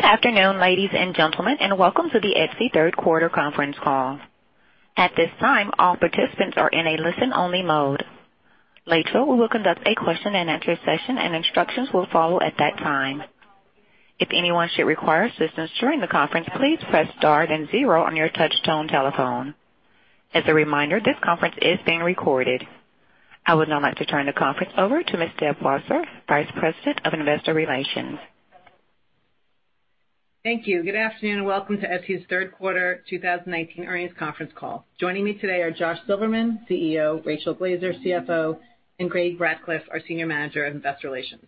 Good afternoon, ladies and gentlemen, and welcome to the Etsy third quarter conference call. At this time, all participants are in a listen-only mode. Later, we will conduct a question and answer session, and instructions will follow at that time. If anyone should require assistance during the conference, please press star then zero on your touch-tone telephone. As a reminder, this conference is being recorded. I would now like to turn the conference over to Ms. Deb Wasser, Vice President of Investor Relations. Thank you. Good afternoon, and welcome to Etsy's third quarter 2019 earnings conference call. Joining me today are Josh Silverman, CEO, Rachel Glaser, CFO, and Gabe Ratcliffe, our Senior Manager of Investor Relations.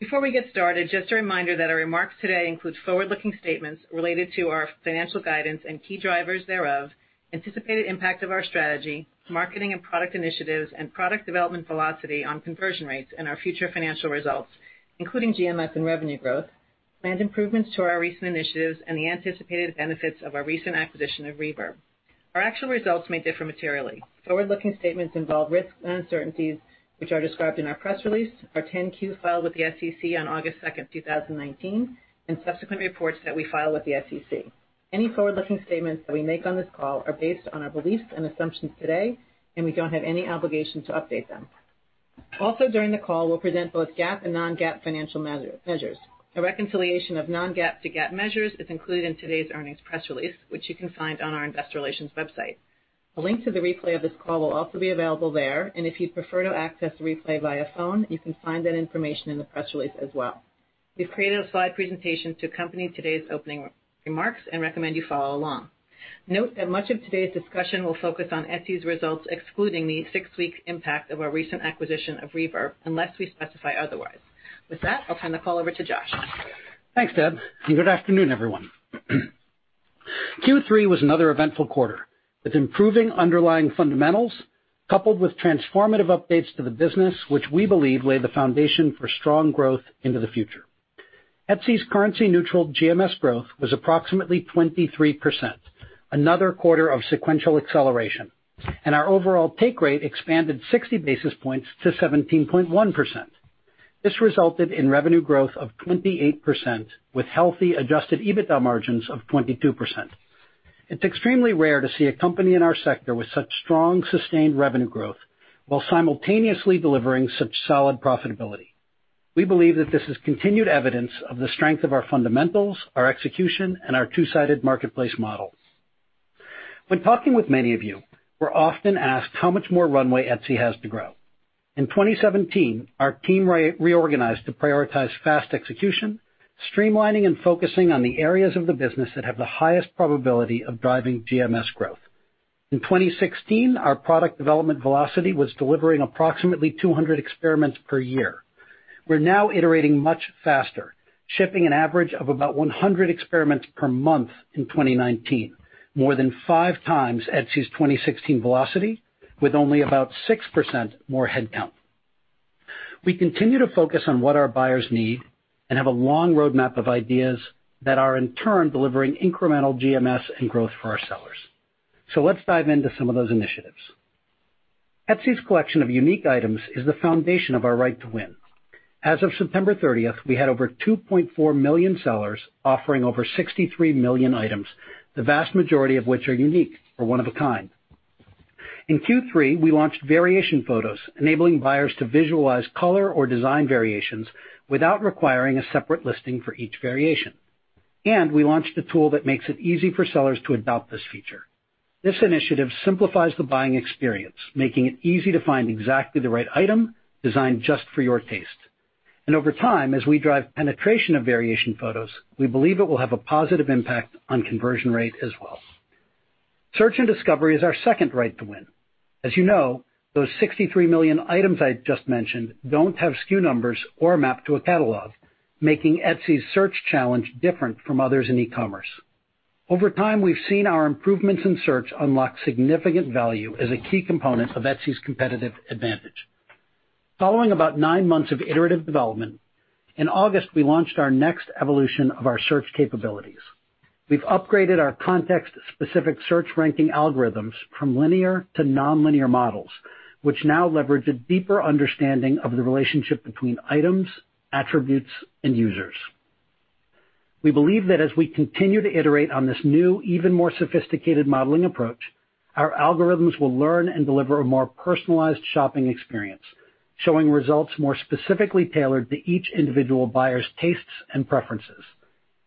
Before we get started, just a reminder that our remarks today include forward-looking statements related to our financial guidance and key drivers thereof, anticipated impact of our strategy, marketing and product initiatives, and product development velocity on conversion rates and our future financial results, including GMS and revenue growth, planned improvements to our recent initiatives, and the anticipated benefits of our recent acquisition of Reverb. Our actual results may differ materially. Forward-looking statements involve risks and uncertainties, which are described in our press release, our 10-Q filed with the SEC on August second, 2019, and subsequent reports that we file with the SEC. Any forward-looking statements that we make on this call are based on our beliefs and assumptions today, and we don't have any obligation to update them. Also during the call, we'll present both GAAP and non-GAAP financial measures. A reconciliation of non-GAAP to GAAP measures is included in today's earnings press release, which you can find on our investor relations website. A link to the replay of this call will also be available there, and if you'd prefer to access the replay via phone, you can find that information in the press release as well. We've created a slide presentation to accompany today's opening remarks and recommend you follow along. Note that much of today's discussion will focus on Etsy's results, excluding the six-week impact of our recent acquisition of Reverb, unless we specify otherwise. With that, I'll turn the call over to Josh. Thanks, Deb, and good afternoon, everyone. Q3 was another eventful quarter, with improving underlying fundamentals coupled with transformative updates to the business, which we believe lay the foundation for strong growth into the future. Etsy's currency neutral GMS growth was approximately 23%, another quarter of sequential acceleration, and our overall take rate expanded 60 basis points to 17.1%. This resulted in revenue growth of 28% with healthy adjusted EBITDA margins of 22%. It's extremely rare to see a company in our sector with such strong, sustained revenue growth while simultaneously delivering such solid profitability. We believe that this is continued evidence of the strength of our fundamentals, our execution, and our two-sided marketplace model. When talking with many of you, we're often asked how much more runway Etsy has to grow. In 2017, our team reorganized to prioritize fast execution, streamlining and focusing on the areas of the business that have the highest probability of driving GMS growth. In 2016, our product development velocity was delivering approximately 200 experiments per year. We're now iterating much faster, shipping an average of about 100 experiments per month in 2019, more than five times Etsy's 2016 velocity with only about 6% more headcount. We continue to focus on what our buyers need and have a long roadmap of ideas that are in turn delivering incremental GMS and growth for our sellers. Let's dive into some of those initiatives. Etsy's collection of unique items is the foundation of our right to win. As of September 30th, we had over 2.4 million sellers offering over 63 million items, the vast majority of which are unique or one of a kind. In Q3, we launched variation photos, enabling buyers to visualize color or design variations without requiring a separate listing for each variation. We launched a tool that makes it easy for sellers to adopt this feature. This initiative simplifies the buying experience, making it easy to find exactly the right item designed just for your taste. Over time, as we drive penetration of variation photos, we believe it will have a positive impact on conversion rate as well. Search and discovery is our second right to win. As you know, those 63 million items I just mentioned don't have SKU numbers or map to a catalog, making Etsy's search challenge different from others in e-commerce. Over time, we've seen our improvements in search unlock significant value as a key component of Etsy's competitive advantage. Following about nine months of iterative development, in August, we launched our next evolution of our search capabilities. We've upgraded our context-specific search ranking algorithms from linear to nonlinear models, which now leverage a deeper understanding of the relationship between items, attributes, and users. We believe that as we continue to iterate on this new, even more sophisticated modeling approach, our algorithms will learn and deliver a more personalized shopping experience, showing results more specifically tailored to each individual buyer's tastes and preferences.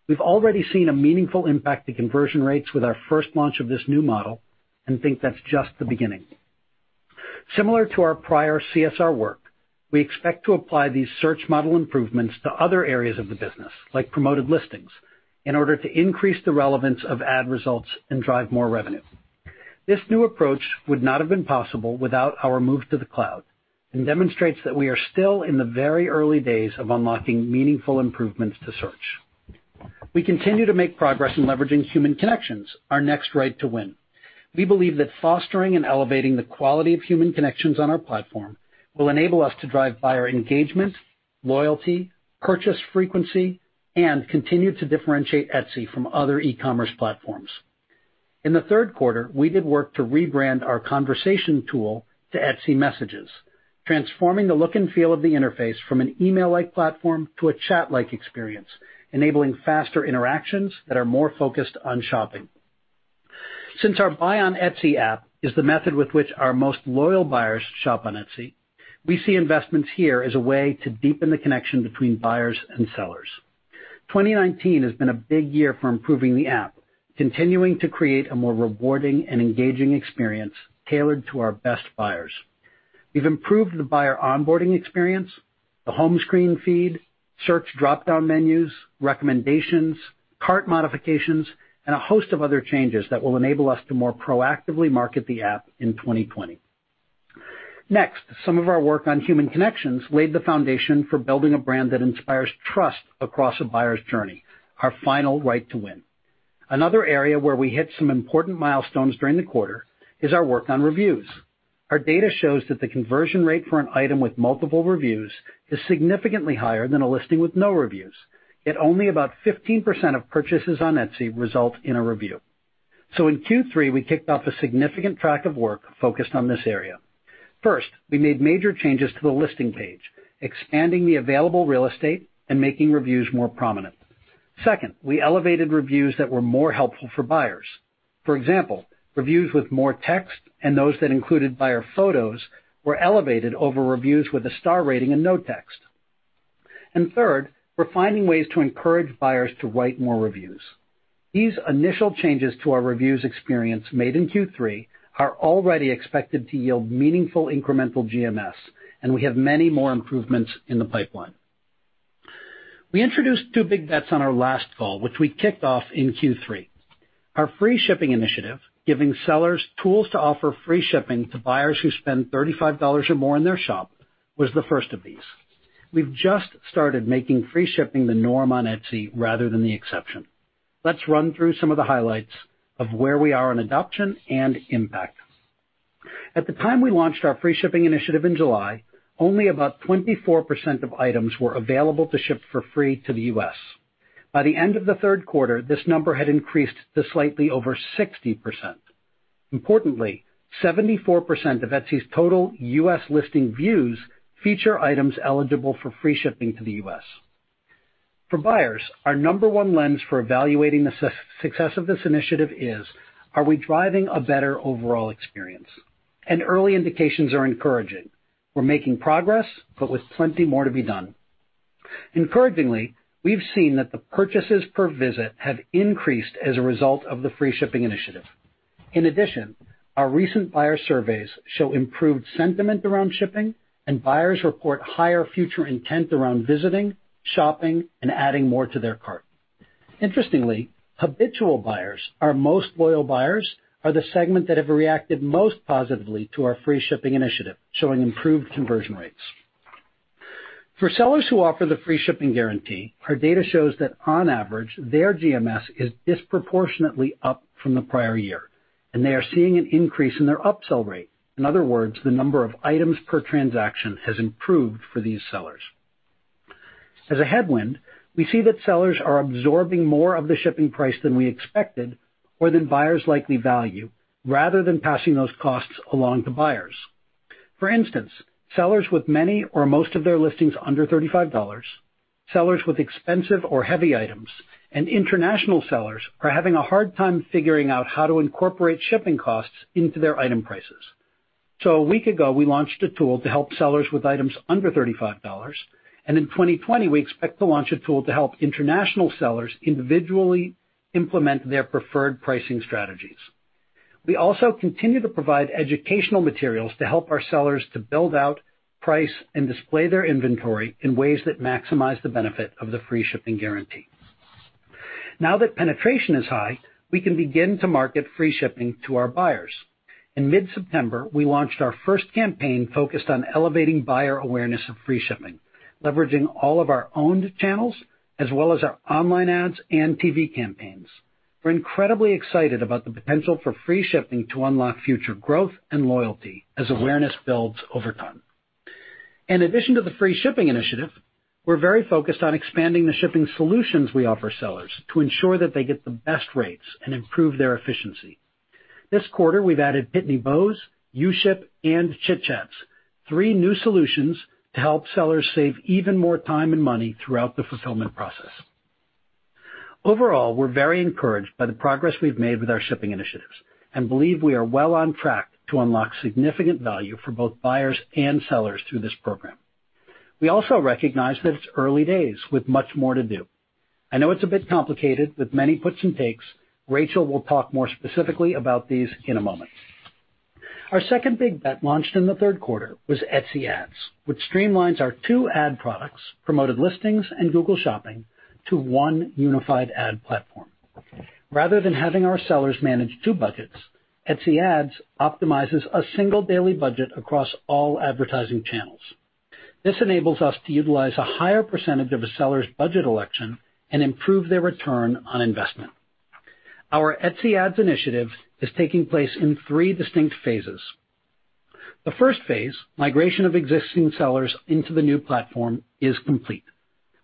We've already seen a meaningful impact to conversion rates with our first launch of this new model and think that's just the beginning. Similar to our prior CSR work, we expect to apply these search model improvements to other areas of the business, like Promoted Listings, in order to increase the relevance of ad results and drive more revenue. This new approach would not have been possible without our move to the cloud and demonstrates that we are still in the very early days of unlocking meaningful improvements to search. We continue to make progress in leveraging human connections, our next right to win. We believe that fostering and elevating the quality of human connections on our platform will enable us to drive buyer engagement, loyalty, purchase frequency, and continue to differentiate Etsy from other e-commerce platforms. In the third quarter, we did work to rebrand our conversation tool to Etsy Messages, transforming the look and feel of the interface from an email-like platform to a chat-like experience, enabling faster interactions that are more focused on shopping. Since our Buy on Etsy app is the method with which our most loyal buyers shop on Etsy, we see investments here as a way to deepen the connection between buyers and sellers. 2019 has been a big year for improving the app, continuing to create a more rewarding and engaging experience tailored to our best buyers. We've improved the buyer onboarding experience, the home screen feed, search drop-down menus, recommendations, cart modifications, and a host of other changes that will enable us to more proactively market the app in 2020. Next, some of our work on human connections laid the foundation for building a brand that inspires trust across a buyer's journey, our final right to win. Another area where we hit some important milestones during the quarter is our work on reviews. Our data shows that the conversion rate for an item with multiple reviews is significantly higher than a listing with no reviews. Yet only about 15% of purchases on Etsy result in a review. In Q3, we kicked off a significant track of work focused on this area. First, we made major changes to the listing page, expanding the available real estate and making reviews more prominent. Second, we elevated reviews that were more helpful for buyers. For example, reviews with more text and those that included buyer photos were elevated over reviews with a star rating and no text. Third, we're finding ways to encourage buyers to write more reviews. These initial changes to our reviews experience made in Q3 are already expected to yield meaningful incremental GMS, and we have many more improvements in the pipeline. We introduced two big bets on our last call, which we kicked off in Q3. Our Free Shipping Initiative, giving sellers tools to offer free shipping to buyers who spend $35 or more in their shop, was the first of these. We've just started making free shipping the norm on Etsy rather than the exception. Let's run through some of the highlights of where we are on adoption and impact. At the time we launched our Free Shipping Initiative in July, only about 24% of items were available to ship for free to the U.S. By the end of the third quarter, this number had increased to slightly over 60%. Importantly, 74% of Etsy's total U.S. listing views feature items eligible for free shipping to the U.S. For buyers, our number one lens for evaluating the success of this Initiative is: Are we driving a better overall experience? Early indications are encouraging. We're making progress, but with plenty more to be done. Encouragingly, we've seen that the purchases per visit have increased as a result of the Free Shipping Initiative. In addition, our recent buyer surveys show improved sentiment around shipping, and buyers report higher future intent around visiting, shopping, and adding more to their cart. Interestingly, habitual buyers, our most loyal buyers, are the segment that have reacted most positively to our free shipping initiative, showing improved conversion rates. For sellers who offer the free shipping guarantee, our data shows that on average, their GMS is disproportionately up from the prior year, and they are seeing an increase in their upsell rate. In other words, the number of items per transaction has improved for these sellers. As a headwind, we see that sellers are absorbing more of the shipping price than we expected or than buyers likely value, rather than passing those costs along to buyers. For instance, sellers with many or most of their listings under $35, sellers with expensive or heavy items, and international sellers are having a hard time figuring out how to incorporate shipping costs into their item prices. One week ago, we launched a tool to help sellers with items under $35, and in 2020, we expect to launch a tool to help international sellers individually implement their preferred pricing strategies. We also continue to provide educational materials to help our sellers to build out, price, and display their inventory in ways that maximize the benefit of the free shipping guarantee. Now that penetration is high, we can begin to market free shipping to our buyers. In mid-September, we launched our first campaign focused on elevating buyer awareness of free shipping, leveraging all of our owned channels, as well as our online Etsy Ads and TV campaigns. We're incredibly excited about the potential for Free Shipping to unlock future growth and loyalty as awareness builds over time. In addition to the Free Shipping initiative, we're very focused on expanding the shipping solutions we offer sellers to ensure that they get the best rates and improve their efficiency. This quarter, we've added Pitney Bowes, uShip, and Chit Chats, three new solutions to help sellers save even more time and money throughout the fulfillment process. Overall, we're very encouraged by the progress we've made with our shipping initiatives and believe we are well on track to unlock significant value for both buyers and sellers through this program. We also recognize that it's early days with much more to do. I know it's a bit complicated with many puts and takes. Rachel will talk more specifically about these in a moment. Our second big bet launched in the third quarter was Etsy Ads, which streamlines our two ad products, Promoted Listings and Google Shopping, to one unified ad platform. Rather than having our sellers manage two budgets, Etsy Ads optimizes a single daily budget across all advertising channels. This enables us to utilize a higher percentage of a seller's budget election and improve their return on investment. Our Etsy Ads initiative is taking place in three distinct phases. The first phase, migration of existing sellers into the new platform, is complete.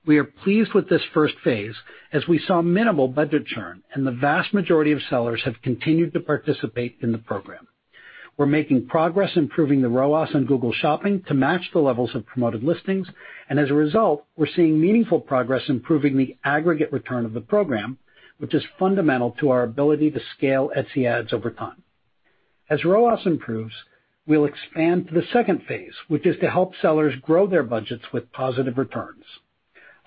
We are pleased with this first phase, as we saw minimal budget churn, and the vast majority of sellers have continued to participate in the program. We're making progress improving the ROAS on Google Shopping to match the levels of Promoted Listings, and as a result, we're seeing meaningful progress improving the aggregate return of the program, which is fundamental to our ability to scale Etsy Ads over time. As ROAS improves, we'll expand to the second phase, which is to help sellers grow their budgets with positive returns.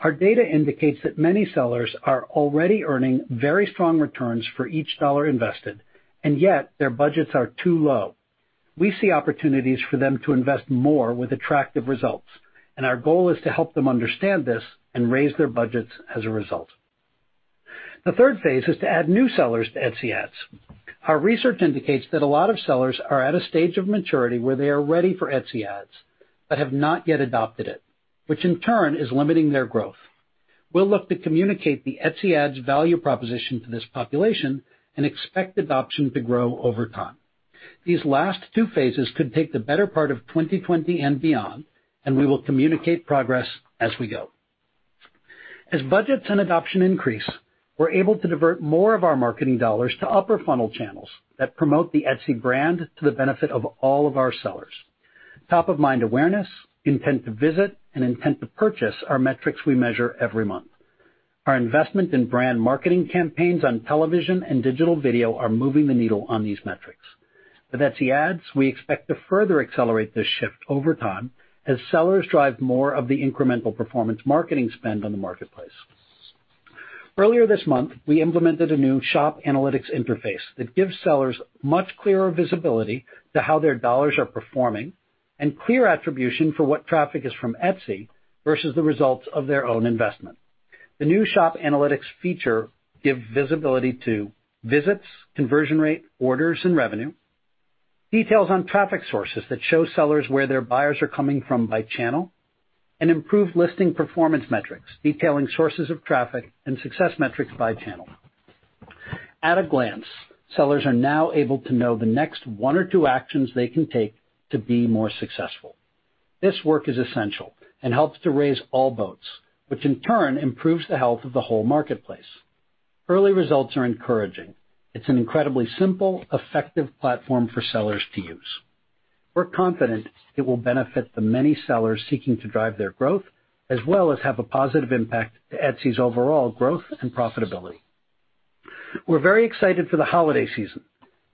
Our data indicates that many sellers are already earning very strong returns for each dollar invested, and yet, their budgets are too low. We see opportunities for them to invest more with attractive results, and our goal is to help them understand this and raise their budgets as a result. The third phase is to add new sellers to Etsy Ads. Our research indicates that a lot of sellers are at a stage of maturity where they are ready for Etsy Ads, but have not yet adopted it, which in turn is limiting their growth. We'll look to communicate the Etsy Ads value proposition to this population and expect adoption to grow over time. These last two phases could take the better part of 2020 and beyond, and we will communicate progress as we go. As budgets and adoption increase, we're able to divert more of our marketing dollars to upper funnel channels that promote the Etsy brand to the benefit of all of our sellers. Top-of-mind awareness, intent to visit, and intent to purchase are metrics we measure every month. Our investment in brand marketing campaigns on television and digital video are moving the needle on these metrics. With Etsy Ads, we expect to further accelerate this shift over time as sellers drive more of the incremental performance marketing spend on the marketplace. Earlier this month, we implemented a new shop analytics interface that gives sellers much clearer visibility to how their dollars are performing and clear attribution for what traffic is from Etsy versus the results of their own investment. The new shop analytics feature give visibility to visits, conversion rate, orders, and revenue, details on traffic sources that show sellers where their buyers are coming from by channel, and improved listing performance metrics, detailing sources of traffic and success metrics by channel. At a glance, sellers are now able to know the next one or two actions they can take to be more successful. This work is essential and helps to raise all boats, which in turn improves the health of the whole marketplace. Early results are encouraging. It's an incredibly simple, effective platform for sellers to use. We're confident it will benefit the many sellers seeking to drive their growth, as well as have a positive impact to Etsy's overall growth and profitability. We're very excited for the holiday season.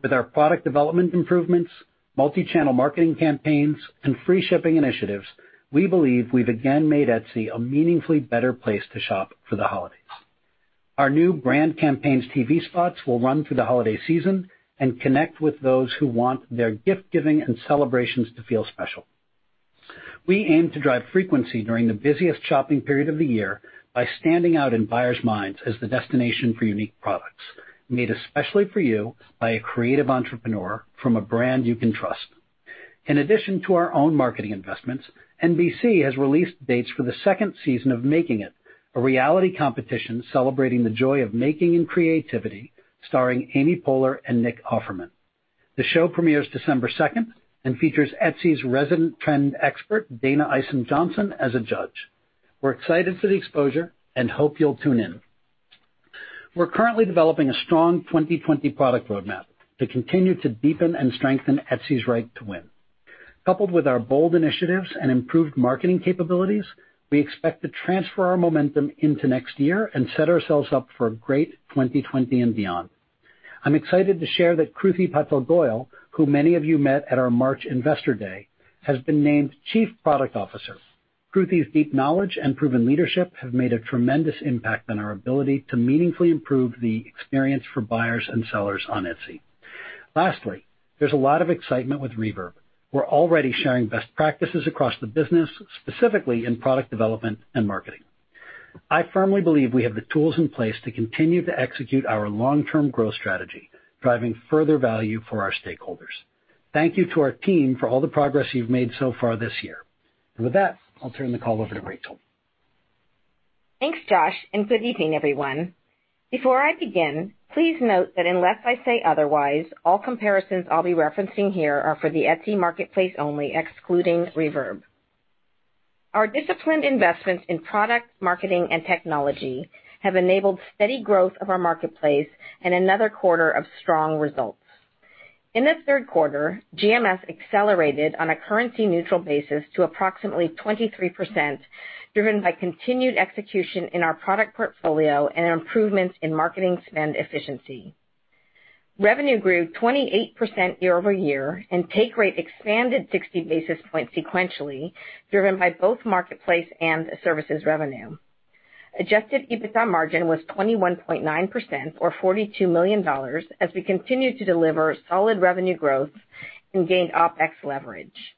With our product development improvements, multi-channel marketing campaigns, and free shipping initiatives, we believe we've again made Etsy a meaningfully better place to shop for the holidays. Our new brand campaigns TV spots will run through the holiday season and connect with those who want their gift giving and celebrations to feel special. We aim to drive frequency during the busiest shopping period of the year by standing out in buyers' minds as the destination for unique products, made especially for you by a creative entrepreneur from a brand you can trust. In addition to our own marketing investments, NBC has released dates for the second season of "Making It," a reality competition celebrating the joy of making and creativity, starring Amy Poehler and Nick Offerman. The show premieres December 2nd and features Etsy's resident trend expert, Dayna Isom Johnson, as a judge. We're excited for the exposure and hope you'll tune in. We're currently developing a strong 2020 product roadmap to continue to deepen and strengthen Etsy's right to win. Coupled with our bold initiatives and improved marketing capabilities, we expect to transfer our momentum into next year and set ourselves up for a great 2020 and beyond. I'm excited to share that Kruti Patel Goyal, who many of you met at our March Investor Day, has been named Chief Product Officer. Kruti's deep knowledge and proven leadership have made a tremendous impact on our ability to meaningfully improve the experience for buyers and sellers on Etsy. Lastly, there's a lot of excitement with Reverb. We're already sharing best practices across the business, specifically in product development and marketing. I firmly believe we have the tools in place to continue to execute our long-term growth strategy, driving further value for our stakeholders. Thank you to our team for all the progress you've made so far this year. With that, I'll turn the call over to Rachel. Thanks, Josh, and good evening, everyone. Before I begin, please note that unless I say otherwise, all comparisons I'll be referencing here are for the Etsy marketplace only, excluding Reverb. Our disciplined investments in product, marketing, and technology have enabled steady growth of our marketplace and another quarter of strong results. In the third quarter, GMS accelerated on a currency-neutral basis to approximately 23%, driven by continued execution in our product portfolio and improvements in marketing spend efficiency. Revenue grew 28% year-over-year, and take rate expanded 60 basis points sequentially, driven by both marketplace and services revenue. Adjusted EBITDA margin was 21.9%, or $42 million, as we continued to deliver solid revenue growth and gained OpEx leverage.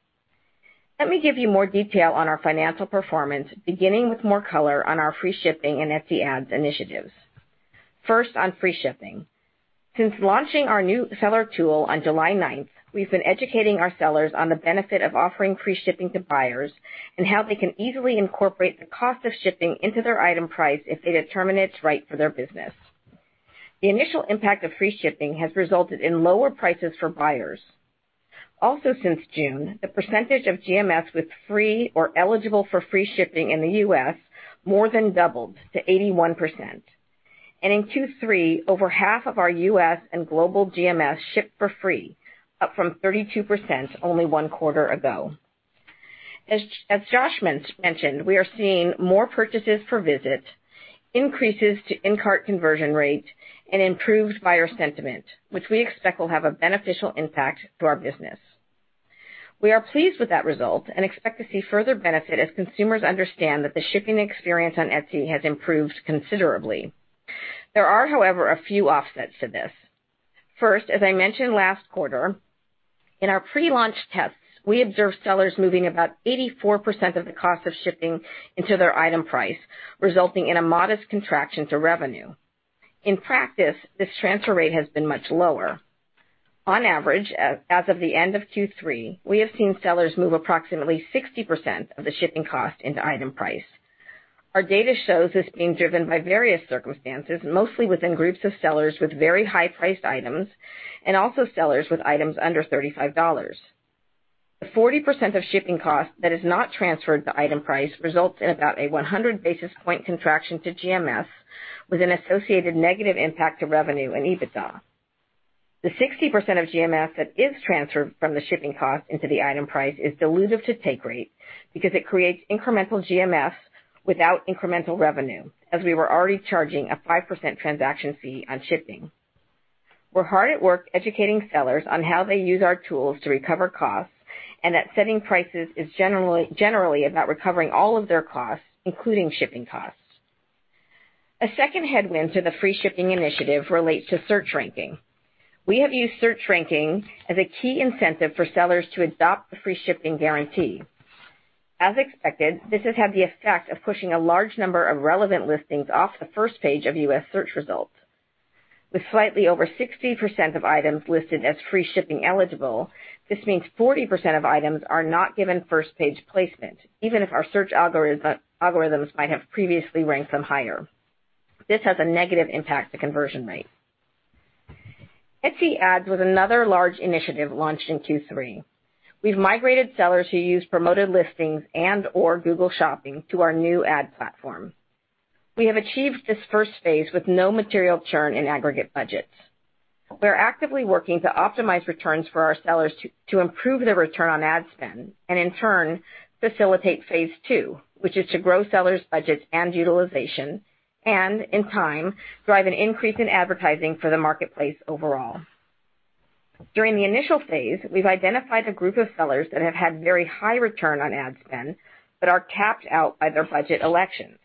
Let me give you more detail on our financial performance, beginning with more color on our free shipping and Etsy Ads initiatives. First, on free shipping. Since launching our new seller tool on July 9th, we've been educating our sellers on the benefit of offering free shipping to buyers and how they can easily incorporate the cost of shipping into their item price if they determine it's right for their business. The initial impact of free shipping has resulted in lower prices for buyers. Since June, the percentage of GMS with free or eligible for free shipping in the U.S. more than doubled to 81%. In Q3, over half of our U.S. and global GMS shipped for free, up from 32% only one quarter ago. As Josh mentioned, we are seeing more purchases per visit, increases to in-cart conversion rate, and improved buyer sentiment, which we expect will have a beneficial impact to our business. We are pleased with that result and expect to see further benefit as consumers understand that the shipping experience on Etsy has improved considerably. There are, however, a few offsets to this. First, as I mentioned last quarter, in our pre-launch tests, we observed sellers moving about 84% of the cost of shipping into their item price, resulting in a modest contraction to revenue. In practice, this transfer rate has been much lower. On average, as of the end of Q3, we have seen sellers move approximately 60% of the shipping cost into item price. Our data shows this being driven by various circumstances, mostly within groups of sellers with very high-priced items and also sellers with items under $35. The 40% of shipping cost that is not transferred to item price results in about a 100-basis-point contraction to GMS, with an associated negative impact to revenue and EBITDA. The 60% of GMS that is transferred from the shipping cost into the item price is dilutive to take rate because it creates incremental GMS without incremental revenue, as we were already charging a 5% transaction fee on shipping. We're hard at work educating sellers on how they use our tools to recover costs, and that setting prices is generally about recovering all of their costs, including shipping costs. A second headwind to the free shipping initiative relates to search ranking. We have used search ranking as a key incentive for sellers to adopt the free shipping guarantee. As expected, this has had the effect of pushing a large number of relevant listings off the first page of U.S. search results. With slightly over 60% of items listed as free shipping eligible, this means 40% of items are not given first-page placement, even if our search algorithms might have previously ranked them higher. This has a negative impact to conversion rate. Etsy Ads was another large initiative launched in Q3. We've migrated sellers who use Promoted Listings and/or Google Shopping to our new ad platform. We have achieved this first phase with no material churn in aggregate budgets. We're actively working to optimize returns for our sellers to improve their return on ad spend, and in turn, facilitate phase two, which is to grow sellers' budgets and utilization, and in time, drive an increase in advertising for the marketplace overall. During the initial phase, we've identified a group of sellers that have had very high return on ad spend, but are capped out by their budget elections.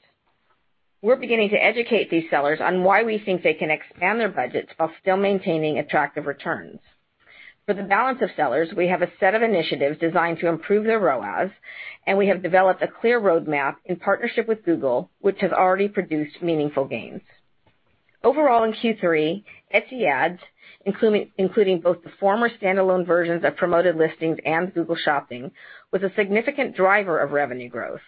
We're beginning to educate these sellers on why we think they can expand their budgets while still maintaining attractive returns. For the balance of sellers, we have a set of initiatives designed to improve their ROAS, and we have developed a clear roadmap in partnership with Google, which has already produced meaningful gains. Overall, in Q3, Etsy Ads, including both the former standalone versions of Promoted Listings and Google Shopping, was a significant driver of revenue growth.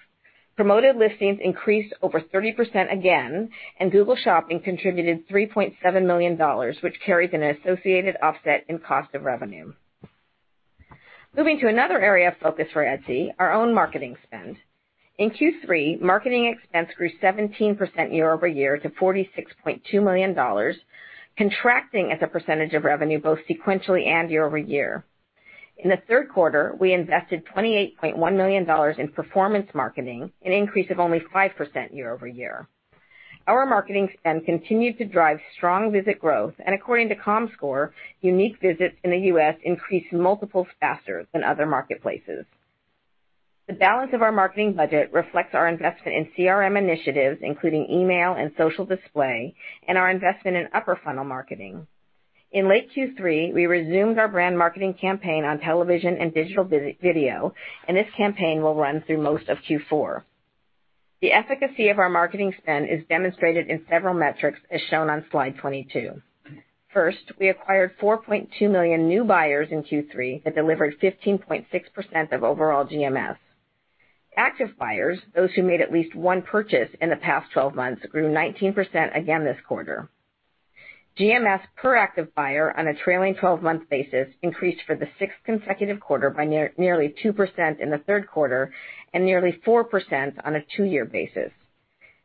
Promoted Listings increased over 30% again, and Google Shopping contributed $3.7 million, which carries an associated offset in cost of revenue. Moving to another area of focus for Etsy, our own marketing spend. In Q3, marketing expense grew 17% year-over-year to $46.2 million, contracting as a percentage of revenue both sequentially and year-over-year. In the third quarter, we invested $28.1 million in performance marketing, an increase of only 5% year-over-year. Our marketing spend continued to drive strong visit growth. According to Comscore, unique visits in the U.S. increased multiples faster than other marketplaces. The balance of our marketing budget reflects our investment in CRM initiatives, including email and social display, and our investment in upper funnel marketing. In late Q3, we resumed our brand marketing campaign on television and digital video. This campaign will run through most of Q4. The efficacy of our marketing spend is demonstrated in several metrics, as shown on slide 22. First, we acquired 4.2 million new buyers in Q3 that delivered 15.6% of overall GMS. Active buyers, those who made at least one purchase in the past 12 months, grew 19% again this quarter. GMS per active buyer on a trailing 12-month basis increased for the sixth consecutive quarter by nearly 2% in the third quarter and nearly 4% on a two-year basis.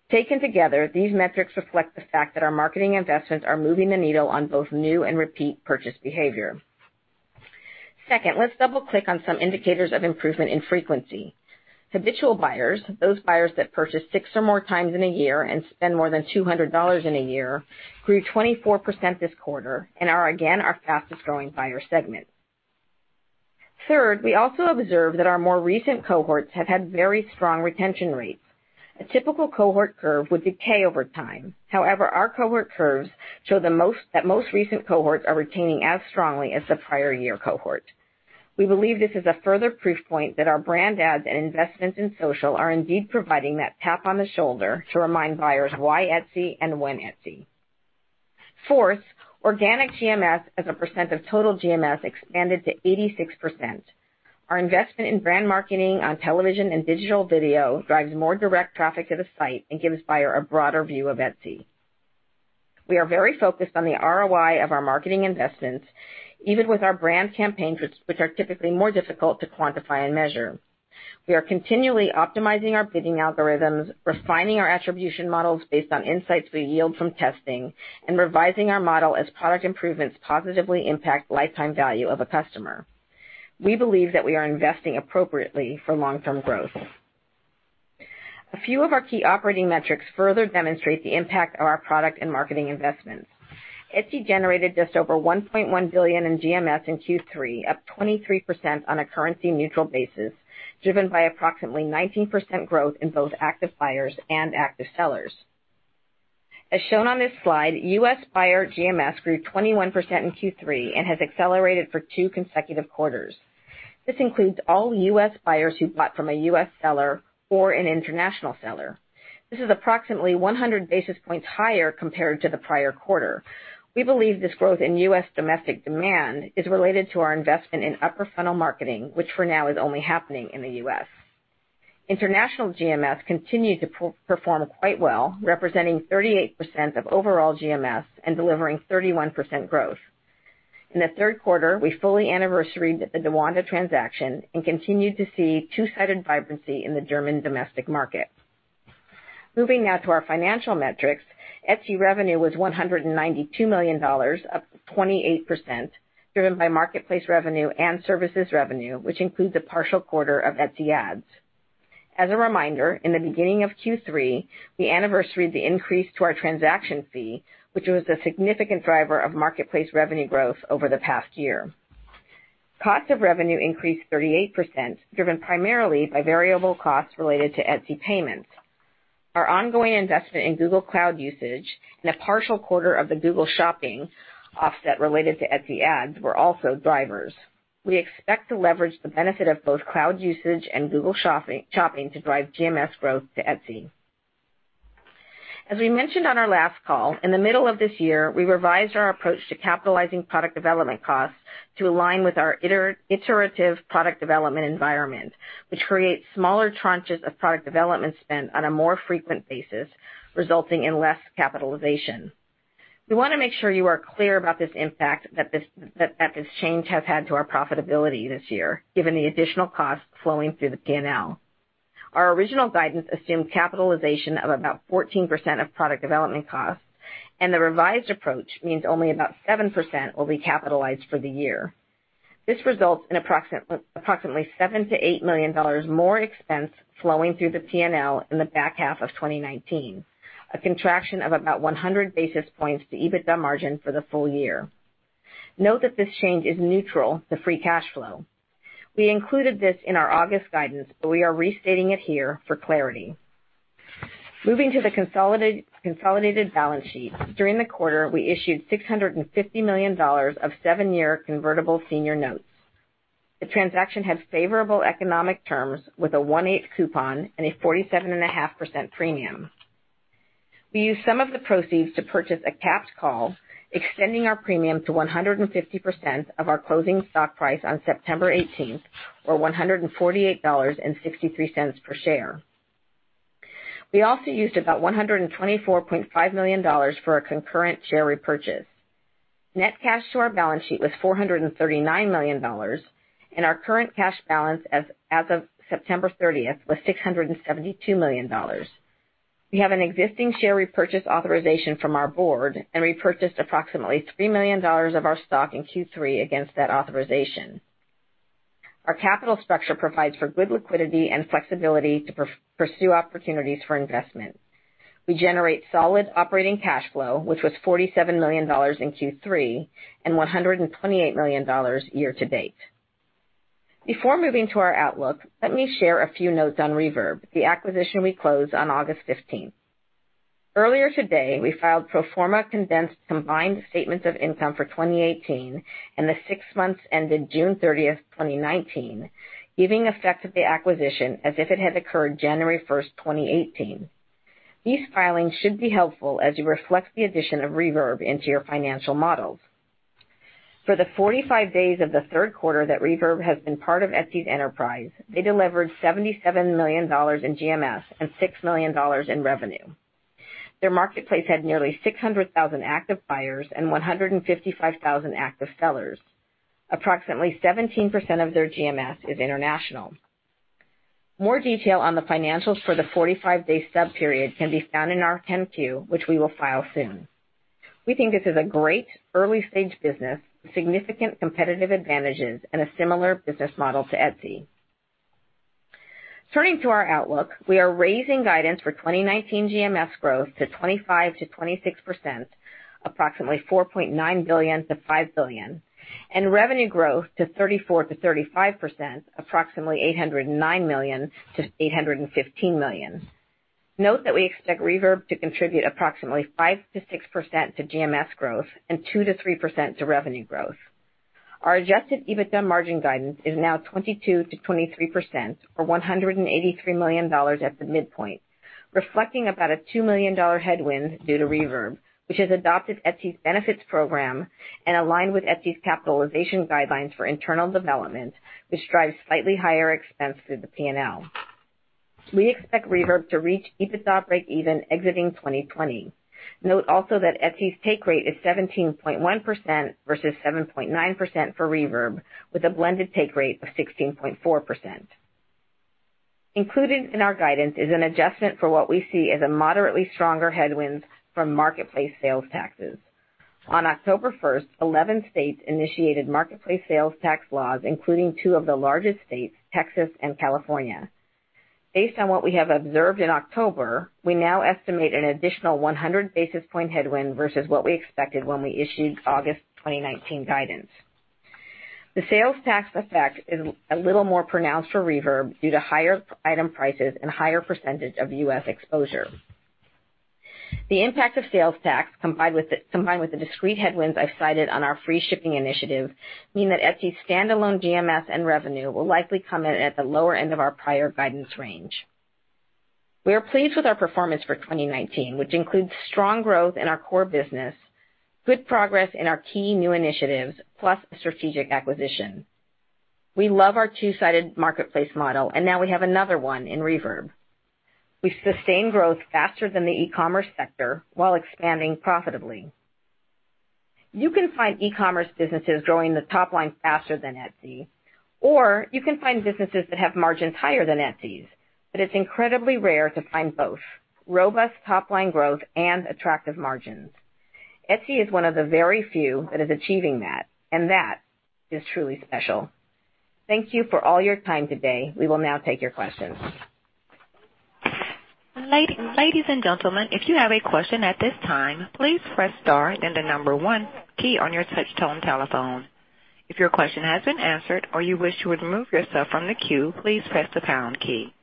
Taken together, these metrics reflect the fact that our marketing investments are moving the needle on both new and repeat purchase behavior. Second, let's double-click on some indicators of improvement in frequency. Habitual buyers, those buyers that purchase six or more times in a year and spend more than $200 in a year, grew 24% this quarter and are again our fastest-growing buyer segment. Third, we also observed that our more recent cohorts have had very strong retention rates. A typical cohort curve would decay over time. However, our cohort curves show that most recent cohorts are retaining as strongly as the prior year cohort. We believe this is a further proof point that our brand ads and investments in social are indeed providing that tap on the shoulder to remind buyers why Etsy and when Etsy. Fourth, organic GMS as a percent of total GMS expanded to 86%. Our investment in brand marketing on television and digital video drives more direct traffic to the site and gives buyer a broader view of Etsy. We are very focused on the ROI of our marketing investments, even with our brand campaigns, which are typically more difficult to quantify and measure. We are continually optimizing our bidding algorithms, refining our attribution models based on insights we yield from testing, and revising our model as product improvements positively impact lifetime value of a customer. We believe that we are investing appropriately for long-term growth. A few of our key operating metrics further demonstrate the impact of our product and marketing investments. Etsy generated just over $1.1 billion in GMS in Q3, up 23% on a currency-neutral basis, driven by approximately 19% growth in both active buyers and active sellers. As shown on this slide, U.S. buyer GMS grew 21% in Q3 and has accelerated for two consecutive quarters. This includes all U.S. buyers who bought from a U.S. seller or an international seller. This is approximately 100 basis points higher compared to the prior quarter. We believe this growth in U.S. domestic demand is related to our investment in upper funnel marketing, which for now is only happening in the U.S. International GMS continued to perform quite well, representing 38% of overall GMS and delivering 31% growth. In the third quarter, we fully anniversaried the DaWanda transaction and continued to see two-sided vibrancy in the German domestic market. Moving now to our financial metrics. Etsy revenue was $192 million, up 28%, driven by marketplace revenue and services revenue, which includes a partial quarter of Etsy Ads. As a reminder, in the beginning of Q3, we anniversaried the increase to our transaction fee, which was a significant driver of marketplace revenue growth over the past year. Cost of revenue increased 38%, driven primarily by variable costs related to Etsy Payments. Our ongoing investment in Google Cloud usage and a partial quarter of the Google Shopping offset related to Etsy Ads were also drivers. We expect to leverage the benefit of both Cloud usage and Google Shopping to drive GMS growth to Etsy. As we mentioned on our last call, in the middle of this year, we revised our approach to capitalizing product development costs to align with our iterative product development environment, which creates smaller tranches of product development spend on a more frequent basis, resulting in less capitalization. We want to make sure you are clear about this impact that this change has had to our profitability this year, given the additional costs flowing through the P&L. Our original guidance assumed capitalization of about 14% of product development costs, and the revised approach means only about 7% will be capitalized for the year. This results in approximately $7 million-$8 million more expense flowing through the P&L in the back half of 2019, a contraction of about 100 basis points to EBITDA margin for the full year. Note that this change is neutral to free cash flow. We included this in our August guidance, but we are restating it here for clarity. Moving to the consolidated balance sheet. During the quarter, we issued $650 million of 7-year convertible senior notes. The transaction had favorable economic terms with a one-eight coupon and a 47.5% premium. We used some of the proceeds to purchase a capped call, extending our premium to 150% of our closing stock price on September 18th, or $148.63 per share. We also used about $124.5 million for a concurrent share repurchase. Net cash to our balance sheet was $439 million, and our current cash balance as of September 30th was $672 million. We have an existing share repurchase authorization from our board and repurchased approximately $3 million of our stock in Q3 against that authorization. Our capital structure provides for good liquidity and flexibility to pursue opportunities for investment. We generate solid operating cash flow, which was $47 million in Q3 and $128 million year to date. Before moving to our outlook, let me share a few notes on Reverb, the acquisition we closed on August 15th. Earlier today, we filed pro forma condensed combined statements of income for 2018 and the six months ended June 30th, 2019, giving effect of the acquisition as if it had occurred January 1st, 2018. These filings should be helpful as you reflect the addition of Reverb into your financial models. For the 45 days of the third quarter that Reverb has been part of Etsy's enterprise, they delivered $77 million in GMS and $6 million in revenue. Their marketplace had nearly 600,000 active buyers and 155,000 active sellers. Approximately 17% of their GMS is international. More detail on the financials for the 45-day sub-period can be found in our 10-Q, which we will file soon. We think this is a great early-stage business with significant competitive advantages and a similar business model to Etsy. Turning to our outlook, we are raising guidance for 2019 GMS growth to 25%-26%, approximately $4.9 billion-$5 billion, and revenue growth to 34%-35%, approximately $809 million-$815 million. Note that we expect Reverb to contribute approximately 5%-6% to GMS growth and 2%-3% to revenue growth. Our adjusted EBITDA margin guidance is now 22%-23%, or $183 million at the midpoint, reflecting about a $2 million headwind due to Reverb, which has adopted Etsy's benefits program and aligned with Etsy's capitalization guidelines for internal development, which drives slightly higher expense through the P&L. We expect Reverb to reach EBITDA breakeven exiting 2020. Note also that Etsy's take rate is 17.1% versus 7.9% for Reverb, with a blended take rate of 16.4%. Included in our guidance is an adjustment for what we see as a moderately stronger headwind from marketplace sales taxes. On October 1st, 11 states initiated marketplace sales tax laws, including two of the largest states, Texas and California. Based on what we have observed in October, we now estimate an additional 100 basis point headwind versus what we expected when we issued August 2019 guidance. The sales tax effect is a little more pronounced for Reverb due to higher item prices and higher % of U.S. exposure. The impact of sales tax, combined with the discrete headwinds I've cited on our free shipping initiative, mean that Etsy's standalone GMS and revenue will likely come in at the lower end of our prior guidance range. We are pleased with our performance for 2019, which includes strong growth in our core business, good progress in our key new initiatives, plus a strategic acquisition. We love our two-sided marketplace model, and now we have another one in Reverb. We've sustained growth faster than the e-commerce sector while expanding profitably. You can find e-commerce businesses growing the top line faster than Etsy, or you can find businesses that have margins higher than Etsy's, but it's incredibly rare to find both robust top-line growth and attractive margins. Etsy is one of the very few that is achieving that, and that is truly special. Thank you for all your time today. We will now take your questions. Ladies and gentlemen, if you have a question at this time, please press star then the number 1 key on your touchtone telephone. If your question has been answered or you wish to remove yourself from the queue, please press the pound key.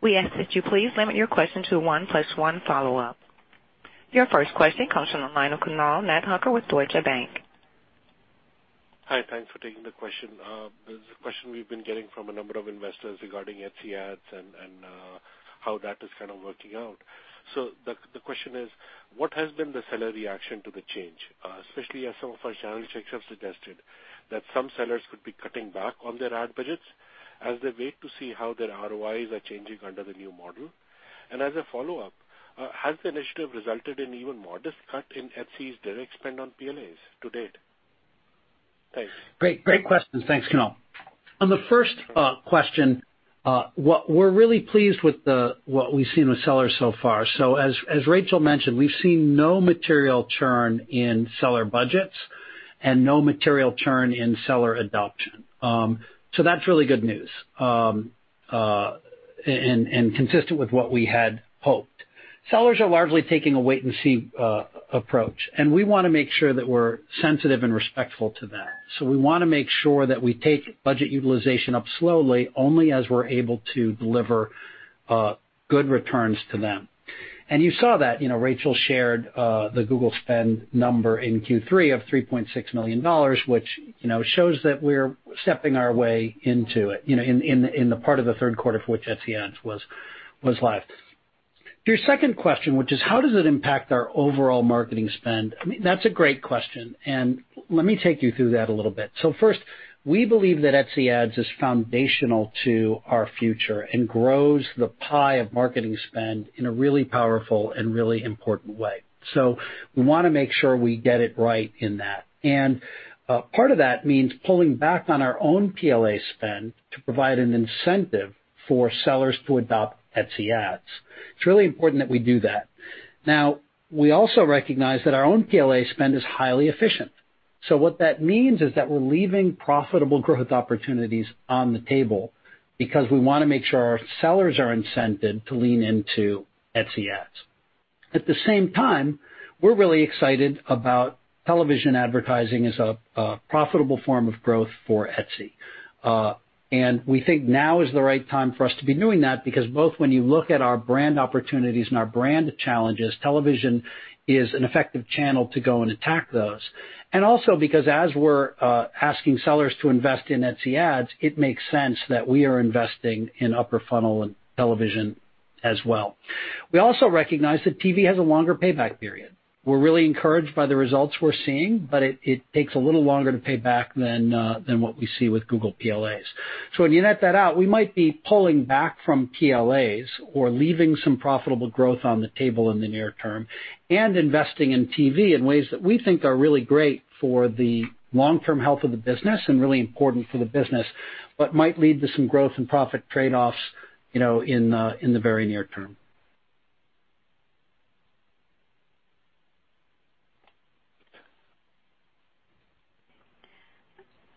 We ask that you please limit your question to one plus one follow-up. Your first question comes from the line of Kunal Khanna with Deutsche Bank. Hi, thanks for taking the question. There's a question we've been getting from a number of investors regarding Etsy Ads and how that is kind of working out. The question is, what has been the seller reaction to the change? Especially as some of our channel checks have suggested that some sellers could be cutting back on their ad budgets as they wait to see how their ROIs are changing under the new model. As a follow-up, has the initiative resulted in even modest cut in Etsy's direct spend on PLAs to date? Thanks. Great question. Thanks, Kunal. On the first question, we're really pleased with what we've seen with sellers so far. As Rachel mentioned, we've seen no material churn in seller budgets and no material churn in seller adoption. That's really good news, and consistent with what we had hoped. Sellers are largely taking a wait and see approach, and we want to make sure that we're sensitive and respectful to that. We want to make sure that we take budget utilization up slowly, only as we're able to deliver good returns to them. You saw that Rachel shared the Google spend number in Q3 of $3.6 million, which shows that we're stepping our way into it, in the part of the third quarter for which Etsy Ads was live. To your second question, which is how does it impact our overall marketing spend, that's a great question, and let me take you through that a little bit. First, we believe that Etsy Ads is foundational to our future and grows the pie of marketing spend in a really powerful and really important way. We want to make sure we get it right in that. Part of that means pulling back on our own PLA spend to provide an incentive for sellers to adopt Etsy Ads. It's really important that we do that. Now, we also recognize that our own PLA spend is highly efficient. What that means is that we're leaving profitable growth opportunities on the table because we want to make sure our sellers are incented to lean into Etsy Ads. At the same time, we're really excited about television advertising as a profitable form of growth for Etsy. We think now is the right time for us to be doing that because both when you look at our brand opportunities and our brand challenges, television is an effective channel to go and attack those. Also because as we're asking sellers to invest in Etsy Ads, it makes sense that we are investing in upper funnel and television as well. We also recognize that TV has a longer payback period. We're really encouraged by the results we're seeing, but it takes a little longer to pay back than what we see with Google PLAs. When you net that out, we might be pulling back from PLAs or leaving some profitable growth on the table in the near term and investing in TV in ways that we think are really great for the long-term health of the business and really important for the business, but might lead to some growth and profit trade-offs in the very near term.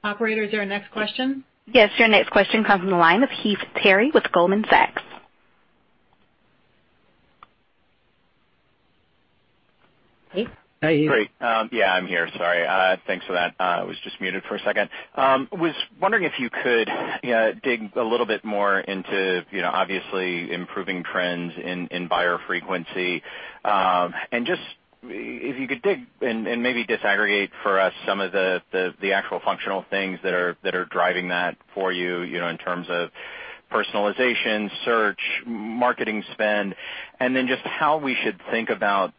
Operator, is there a next question? Yes, your next question comes from the line of Heath Terry with Goldman Sachs. Heath? Hi, Heath. Great. Yeah, I'm here. Sorry. Thanks for that. I was just muted for a second. Was wondering if you could dig a little bit more into, obviously, improving trends in buyer frequency? Just if you could dig and maybe disaggregate for us some of the actual functional things that are driving that for you in terms of personalization, search, marketing spend, and then just how we should think about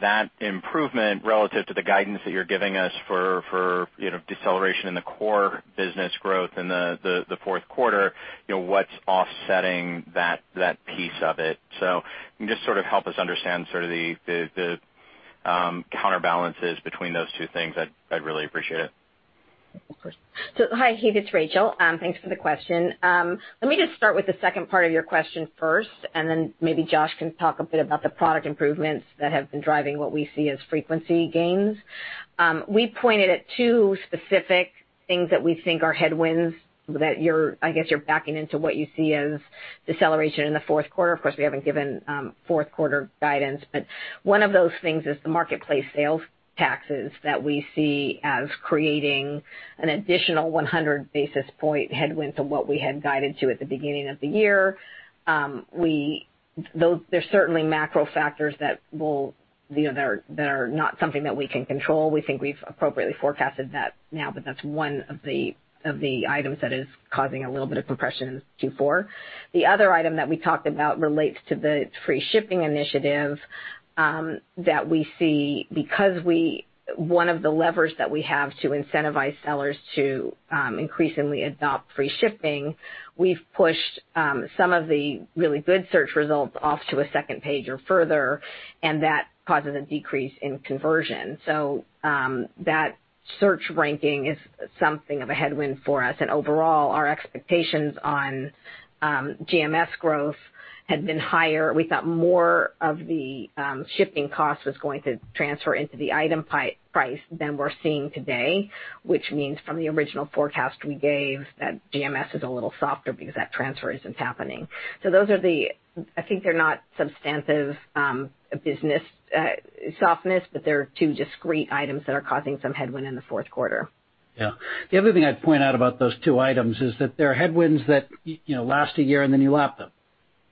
that improvement relative to the guidance that you're giving us for deceleration in the core business growth in the fourth quarter. What's offsetting that piece of it? Can you just sort of help us understand sort of the counterbalances between those two things, I'd really appreciate it. Of course. Hi, Heath, it's Rachel. Thanks for the question. Let me just start with the second part of your question first, and then maybe Josh can talk a bit about the product improvements that have been driving what we see as frequency gains. We pointed at two specific things that we think are headwinds that you're backing into what you see as deceleration in the fourth quarter. Of course, we haven't given fourth-quarter guidance, but one of those things is the marketplace sales taxes that we see as creating an additional 100 basis point headwind to what we had guided to at the beginning of the year. There's certainly macro factors that are not something that we can control. We think we've appropriately forecasted that now, but that's one of the items that is causing a little bit of compression in Q4. The other item that we talked about relates to the free shipping initiative, that we see because one of the levers that we have to incentivize sellers to increasingly adopt free shipping, we've pushed some of the really good search results off to a second page or further, and that causes a decrease in conversion. That search ranking is something of a headwind for us. Overall, our expectations on GMS growth had been higher. We thought more of the shipping cost was going to transfer into the item price than we're seeing today, which means from the original forecast we gave, that GMS is a little softer because that transfer isn't happening. I think they're not substantive business softness, but they're two discrete items that are causing some headwind in the fourth quarter. Yeah. The other thing I'd point out about those two items is that they're headwinds that last a year and then you lap them.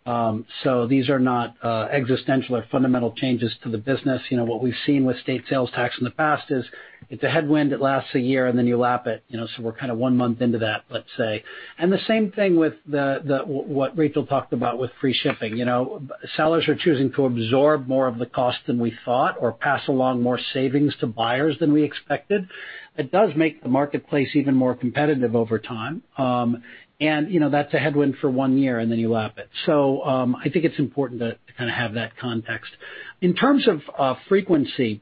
These are not existential or fundamental changes to the business. What we've seen with state sales tax in the past is, it's a headwind that lasts a year and then you lap it. We're kind of one month into that, let's say. The same thing with what Rachel talked about with free shipping. Sellers are choosing to absorb more of the cost than we thought or pass along more savings to buyers than we expected. It does make the marketplace even more competitive over time. That's a headwind for one year and then you lap it. I think it's important to kind of have that context. In terms of frequency,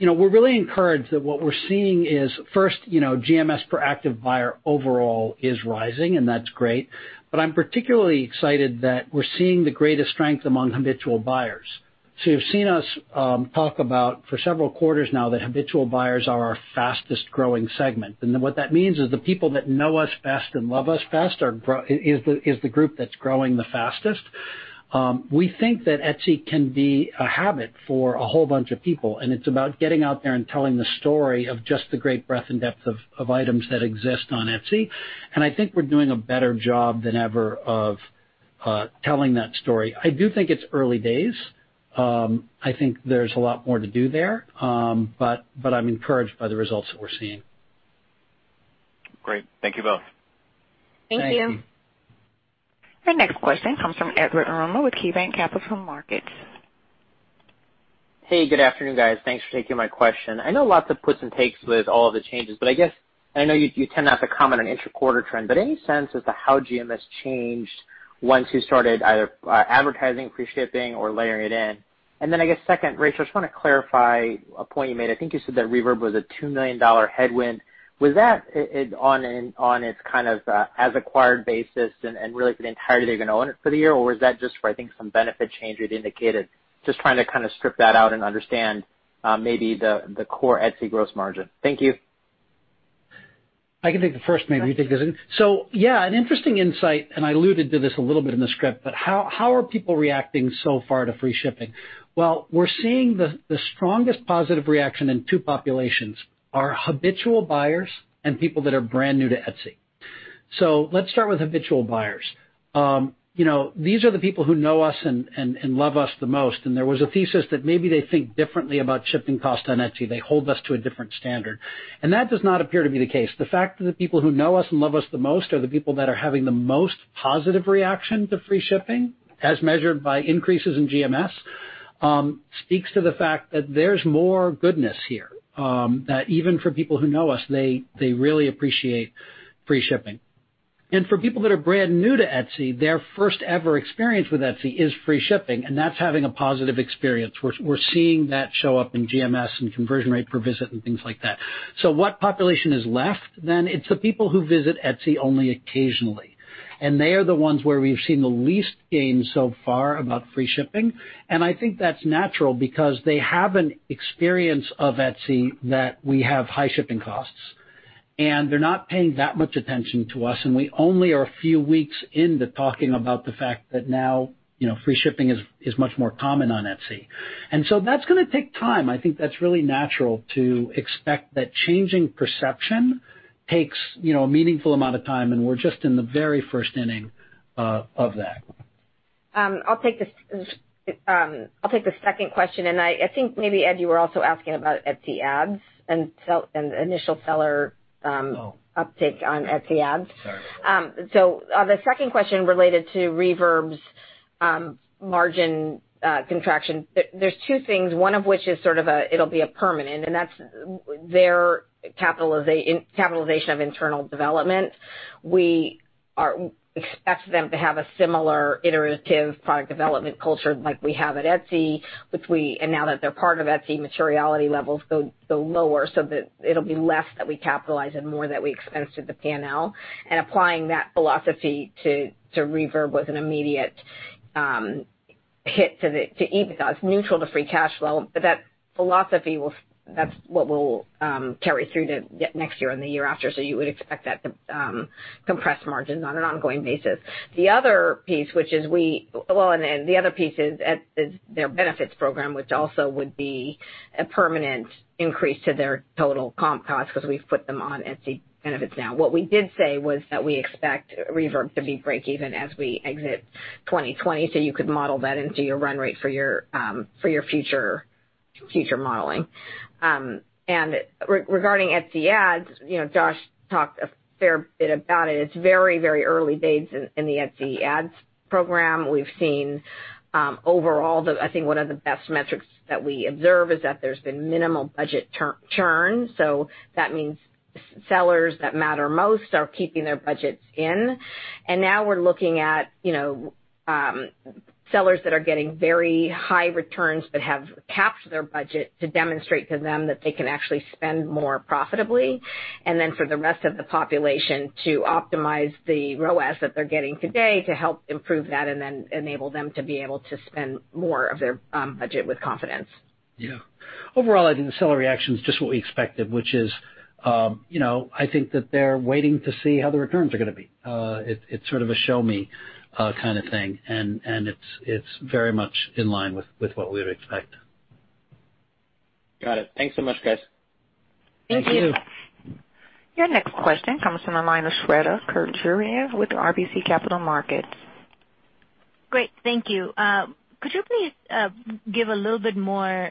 we're really encouraged that what we're seeing is first, GMS per active buyer overall is rising, and that's great. I'm particularly excited that we're seeing the greatest strength among habitual buyers. You've seen us talk about, for several quarters now, that habitual buyers are our fastest-growing segment. What that means is the people that know us best and love us best is the group that's growing the fastest. We think that Etsy can be a habit for a whole bunch of people, and it's about getting out there and telling the story of just the great breadth and depth of items that exist on Etsy. I think we're doing a better job than ever of telling that story. I do think it's early days. I think there's a lot more to do there, but I'm encouraged by the results that we're seeing. Great. Thank you both. Thank you. Thank you. Our next question comes from Edward Yruma with KeyBanc Capital Markets. Hey, good afternoon, guys. Thanks for taking my question. I know lots of puts and takes with all of the changes, but I guess I know you tend not to comment on intra-quarter trends, but any sense as to how GMS changed once you started either advertising free shipping or layering it in? I guess second, Rachel, I just want to clarify a point you made. I think you said that Reverb was a $2 million headwind. Was that on its kind of as acquired basis and really for the entirety they're going to own it for the year? Was that just for, I think, some benefit change you'd indicated? Just trying to kind of strip that out and understand maybe the core Etsy gross margin. Thank you. I can take the first, maybe you take the second. Yeah, an interesting insight, and I alluded to this a little bit in the script, but how are people reacting so far to free shipping? Well, we're seeing the strongest positive reaction in two populations are habitual buyers and people that are brand new to Etsy. Let's start with habitual buyers. These are the people who know us and love us the most, and there was a thesis that maybe they think differently about shipping costs on Etsy. They hold us to a different standard. That does not appear to be the case. The fact that the people who know us and love us the most are the people that are having the most positive reaction to free shipping, as measured by increases in GMS, speaks to the fact that there's more goodness here. That even for people who know us, they really appreciate free shipping. For people that are brand new to Etsy, their first ever experience with Etsy is free shipping, and that's having a positive experience. We're seeing that show up in GMS and conversion rate per visit and things like that. What population is left then? It's the people who visit Etsy only occasionally. They are the ones where we've seen the least gain so far about free shipping. I think that's natural because they have an experience of Etsy that we have high shipping costs, and they're not paying that much attention to us, and we only are a few weeks into talking about the fact that now free shipping is much more common on Etsy. That's going to take time. I think that's really natural to expect that changing perception takes a meaningful amount of time, and we're just in the very first inning of that. I'll take the second question, and I think maybe, Ed, you were also asking about Etsy Ads and initial seller uptake on Etsy Ads. Sorry. On the second question related to Reverb's margin contraction, there's two things, one of which is sort of a permanent, and that's their capitalization of internal development. We expect them to have a similar iterative product development culture like we have at Etsy, which we, and now that they're part of Etsy, materiality levels go lower, so that it'll be less that we capitalize and more that we expense to the P&L, and applying that philosophy to Reverb was an immediate hit to EBITDA. It's neutral to free cash flow, That's what we'll carry through to next year and the year after. You would expect that to compress margins on an ongoing basis. The other piece is their benefits program, which also would be a permanent increase to their total comp cost because we've put them on Etsy benefits now. What we did say was that we expect Reverb to be breakeven as we exit 2020, so you could model that into your run rate for your future modeling. Regarding Etsy Ads, Josh talked a fair bit about it. It's very early days in the Etsy Ads program. We've seen overall, I think one of the best metrics that we observe is that there's been minimal budget churn. That means sellers that matter most are keeping their budgets in, and now we're looking at sellers that are getting very high returns but have capped their budget to demonstrate to them that they can actually spend more profitably. For the rest of the population to optimize the ROAS that they're getting today to help improve that and then enable them to be able to spend more of their budget with confidence. Yeah. Overall, I think the seller reaction is just what we expected, which is, I think that they're waiting to see how the returns are going to be. It's sort of a show me kind of thing, and it's very much in line with what we would expect. Got it. Thanks so much, guys. Thank you. Thank you. Your next question comes from the line of Shweta Khajuria with RBC Capital Markets. Great. Thank you. Could you please give a little bit more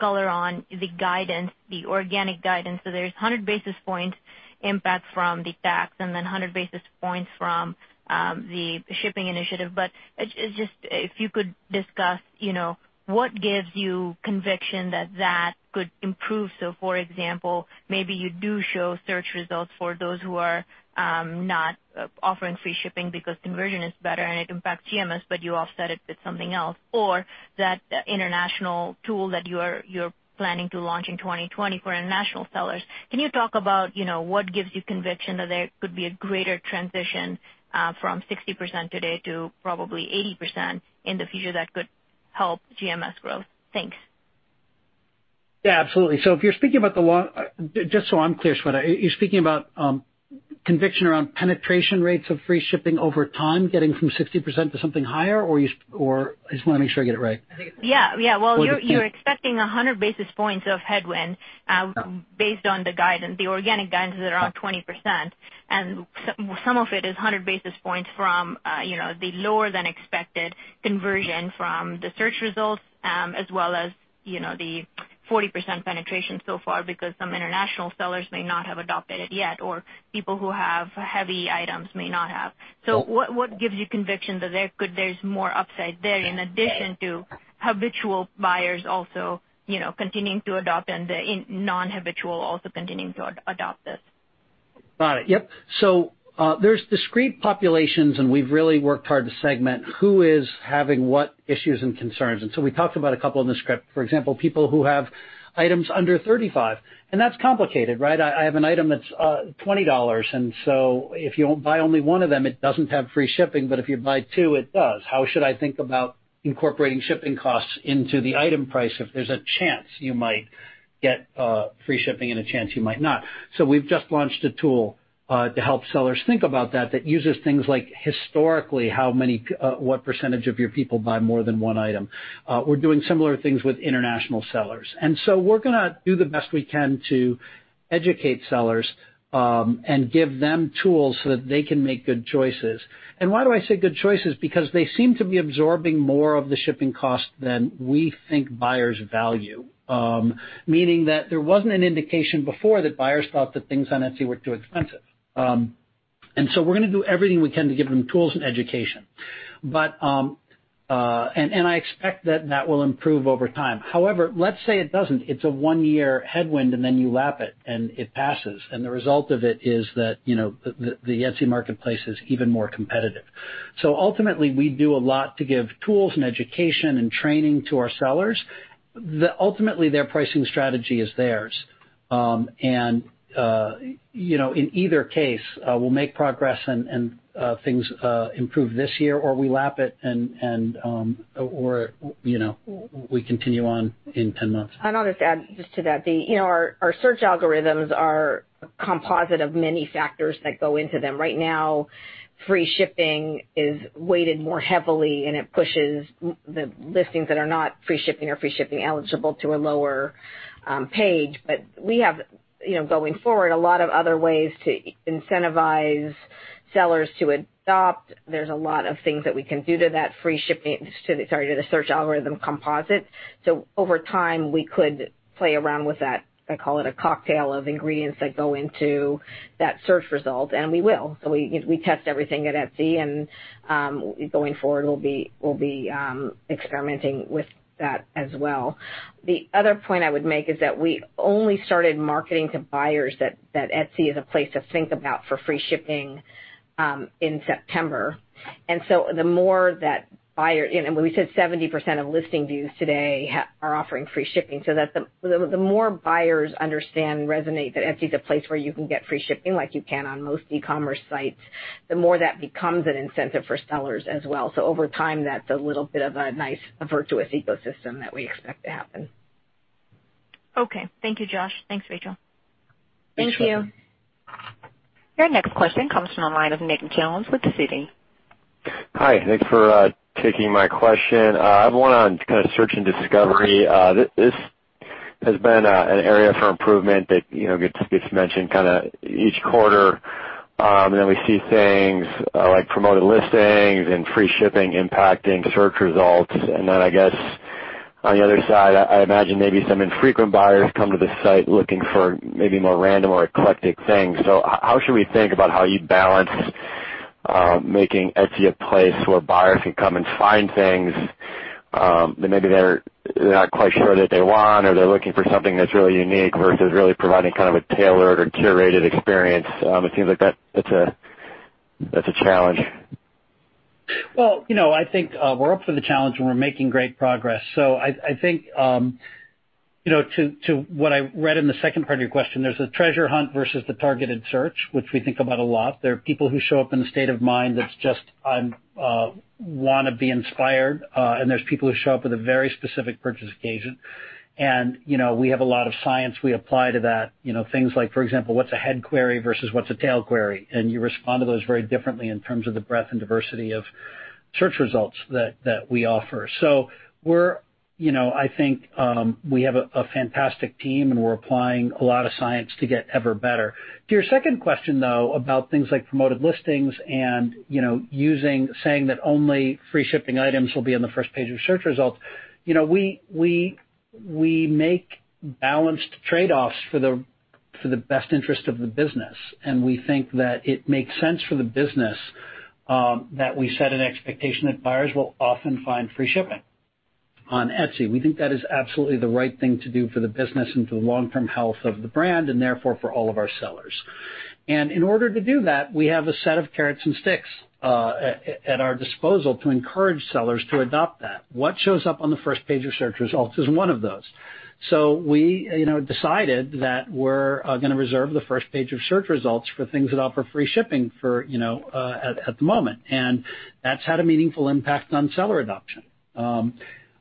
color on the guidance, the organic guidance? There's 100 basis points impact from the tax and then 100 basis points from the shipping initiative. Just if you could discuss what gives you conviction that that could improve. For example, maybe you do show search results for those who are not offering free shipping because conversion is better and it impacts GMS, but you offset it with something else, or that international tool that you're planning to launch in 2020 for international sellers. Can you talk about what gives you conviction that there could be a greater transition from 60% today to probably 80% in the future that could help GMS growth? Thanks. Yeah, absolutely. If you're speaking about Just so I'm clear, Shweta, are you speaking about conviction around penetration rates of free shipping over time, getting from 60% to something higher? I just want to make sure I get it right. Yeah. Well, you're expecting 100 basis points of headwind based on the guidance, the organic guidance is around 20%, and some of it is 100 basis points from the lower than expected conversion from the search results, as well as the 40% penetration so far because some international sellers may not have adopted it yet, or people who have heavy items may not have. What gives you conviction that there's more upside there in addition to habitual buyers also continuing to adopt and the non-habitual also continuing to adopt this? Got it. Yep. There's discrete populations, and we've really worked hard to segment who is having what issues and concerns. We talked about a couple in the script. For example, people who have items under 35, that's complicated, right? I have an item that's $20, and so if you buy only one of them, it doesn't have free shipping, but if you buy two, it does. How should I think about incorporating shipping costs into the item price if there's a chance you might get free shipping and a chance you might not? We've just launched a tool to help sellers think about that that uses things like, historically, what % of your people buy more than one item. We're doing similar things with international sellers. We're going to do the best we can to educate sellers and give them tools so that they can make good choices. Why do I say good choices? Because they seem to be absorbing more of the shipping cost than we think buyers value, meaning that there wasn't an indication before that buyers thought that things on Etsy were too expensive. We're going to do everything we can to give them tools and education. I expect that will improve over time. However, let's say it doesn't. It's a one-year headwind, and then you lap it, and it passes. The result of it is that the Etsy marketplace is even more competitive. Ultimately, we do a lot to give tools and education and training to our sellers. Ultimately, their pricing strategy is theirs. In either case, we'll make progress and things improve this year, or we lap it, or we continue on in 10 months. I'll just add to that, our search algorithms are a composite of many factors that go into them. Right now, free shipping is weighted more heavily, and it pushes the listings that are not free shipping or free shipping eligible to a lower page. We have, going forward, a lot of other ways to incentivize. Sellers to adopt. There's a lot of things that we can do to that free shipping, sorry, to the search algorithm composite. Over time, we could play around with that, I call it, a cocktail of ingredients that go into that search result, and we will. We test everything at Etsy, and going forward, we'll be experimenting with that as well. The other point I would make is that we only started marketing to buyers that Etsy is a place to think about for free shipping in September. The more that buyer, and when we said 70% of listing views today are offering free shipping. The more buyers understand and resonate that Etsy is a place where you can get free shipping like you can on most e-commerce sites, the more that becomes an incentive for sellers as well. Over time, that's a little bit of a nice virtuous ecosystem that we expect to happen. Okay. Thank you, Josh. Thanks, Rachel. Thank you. Your next question comes from the line of Nicholas Jones with Citi. Hi. Thanks for taking my question. I have one on kind of search and discovery. This has been an area for improvement that gets mentioned kind of each quarter, and then we see things like Promoted Listings and free shipping impacting search results. I guess on the other side, I imagine maybe some infrequent buyers come to the site looking for maybe more random or eclectic things. How should we think about how you balance making Etsy a place where buyers can come and find things that maybe they're not quite sure that they want, or they're looking for something that's really unique versus really providing kind of a tailored or curated experience? It seems like that's a challenge. Well, I think we're up for the challenge, and we're making great progress. I think, to what I read in the second part of your question, there's a treasure hunt versus the targeted search, which we think about a lot. There are people who show up in a state of mind that's just, I want to be inspired, and there's people who show up with a very specific purchase occasion. We have a lot of science we apply to that. Things like, for example, what's a head query versus what's a tail query? You respond to those very differently in terms of the breadth and diversity of search results that we offer. I think we have a fantastic team, and we're applying a lot of science to get ever better. To your second question, though, about things like Promoted Listings and saying that only free shipping items will be on the first page of search results. We make balanced trade-offs for the best interest of the business, and we think that it makes sense for the business that we set an expectation that buyers will often find free shipping on Etsy. We think that is absolutely the right thing to do for the business and for the long-term health of the brand, and therefore for all of our sellers. In order to do that, we have a set of carrots and sticks at our disposal to encourage sellers to adopt that. What shows up on the first page of search results is one of those. We decided that we're going to reserve the first page of search results for things that offer free shipping at the moment, and that's had a meaningful impact on seller adoption.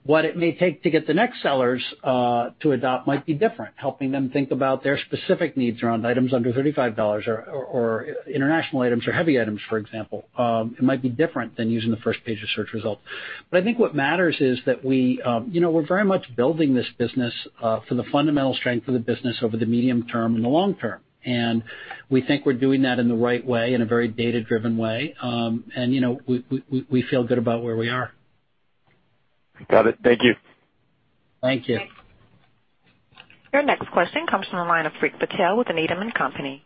What it may take to get the next sellers to adopt might be different, helping them think about their specific needs around items under $35 or international items or heavy items, for example. It might be different than using the first page of search results. I think what matters is that we're very much building this business for the fundamental strength of the business over the medium term and the long term. We think we're doing that in the right way, in a very data-driven way. We feel good about where we are. Got it. Thank you. Thank you. Your next question comes from the line of Rick Patel with Needham & Company.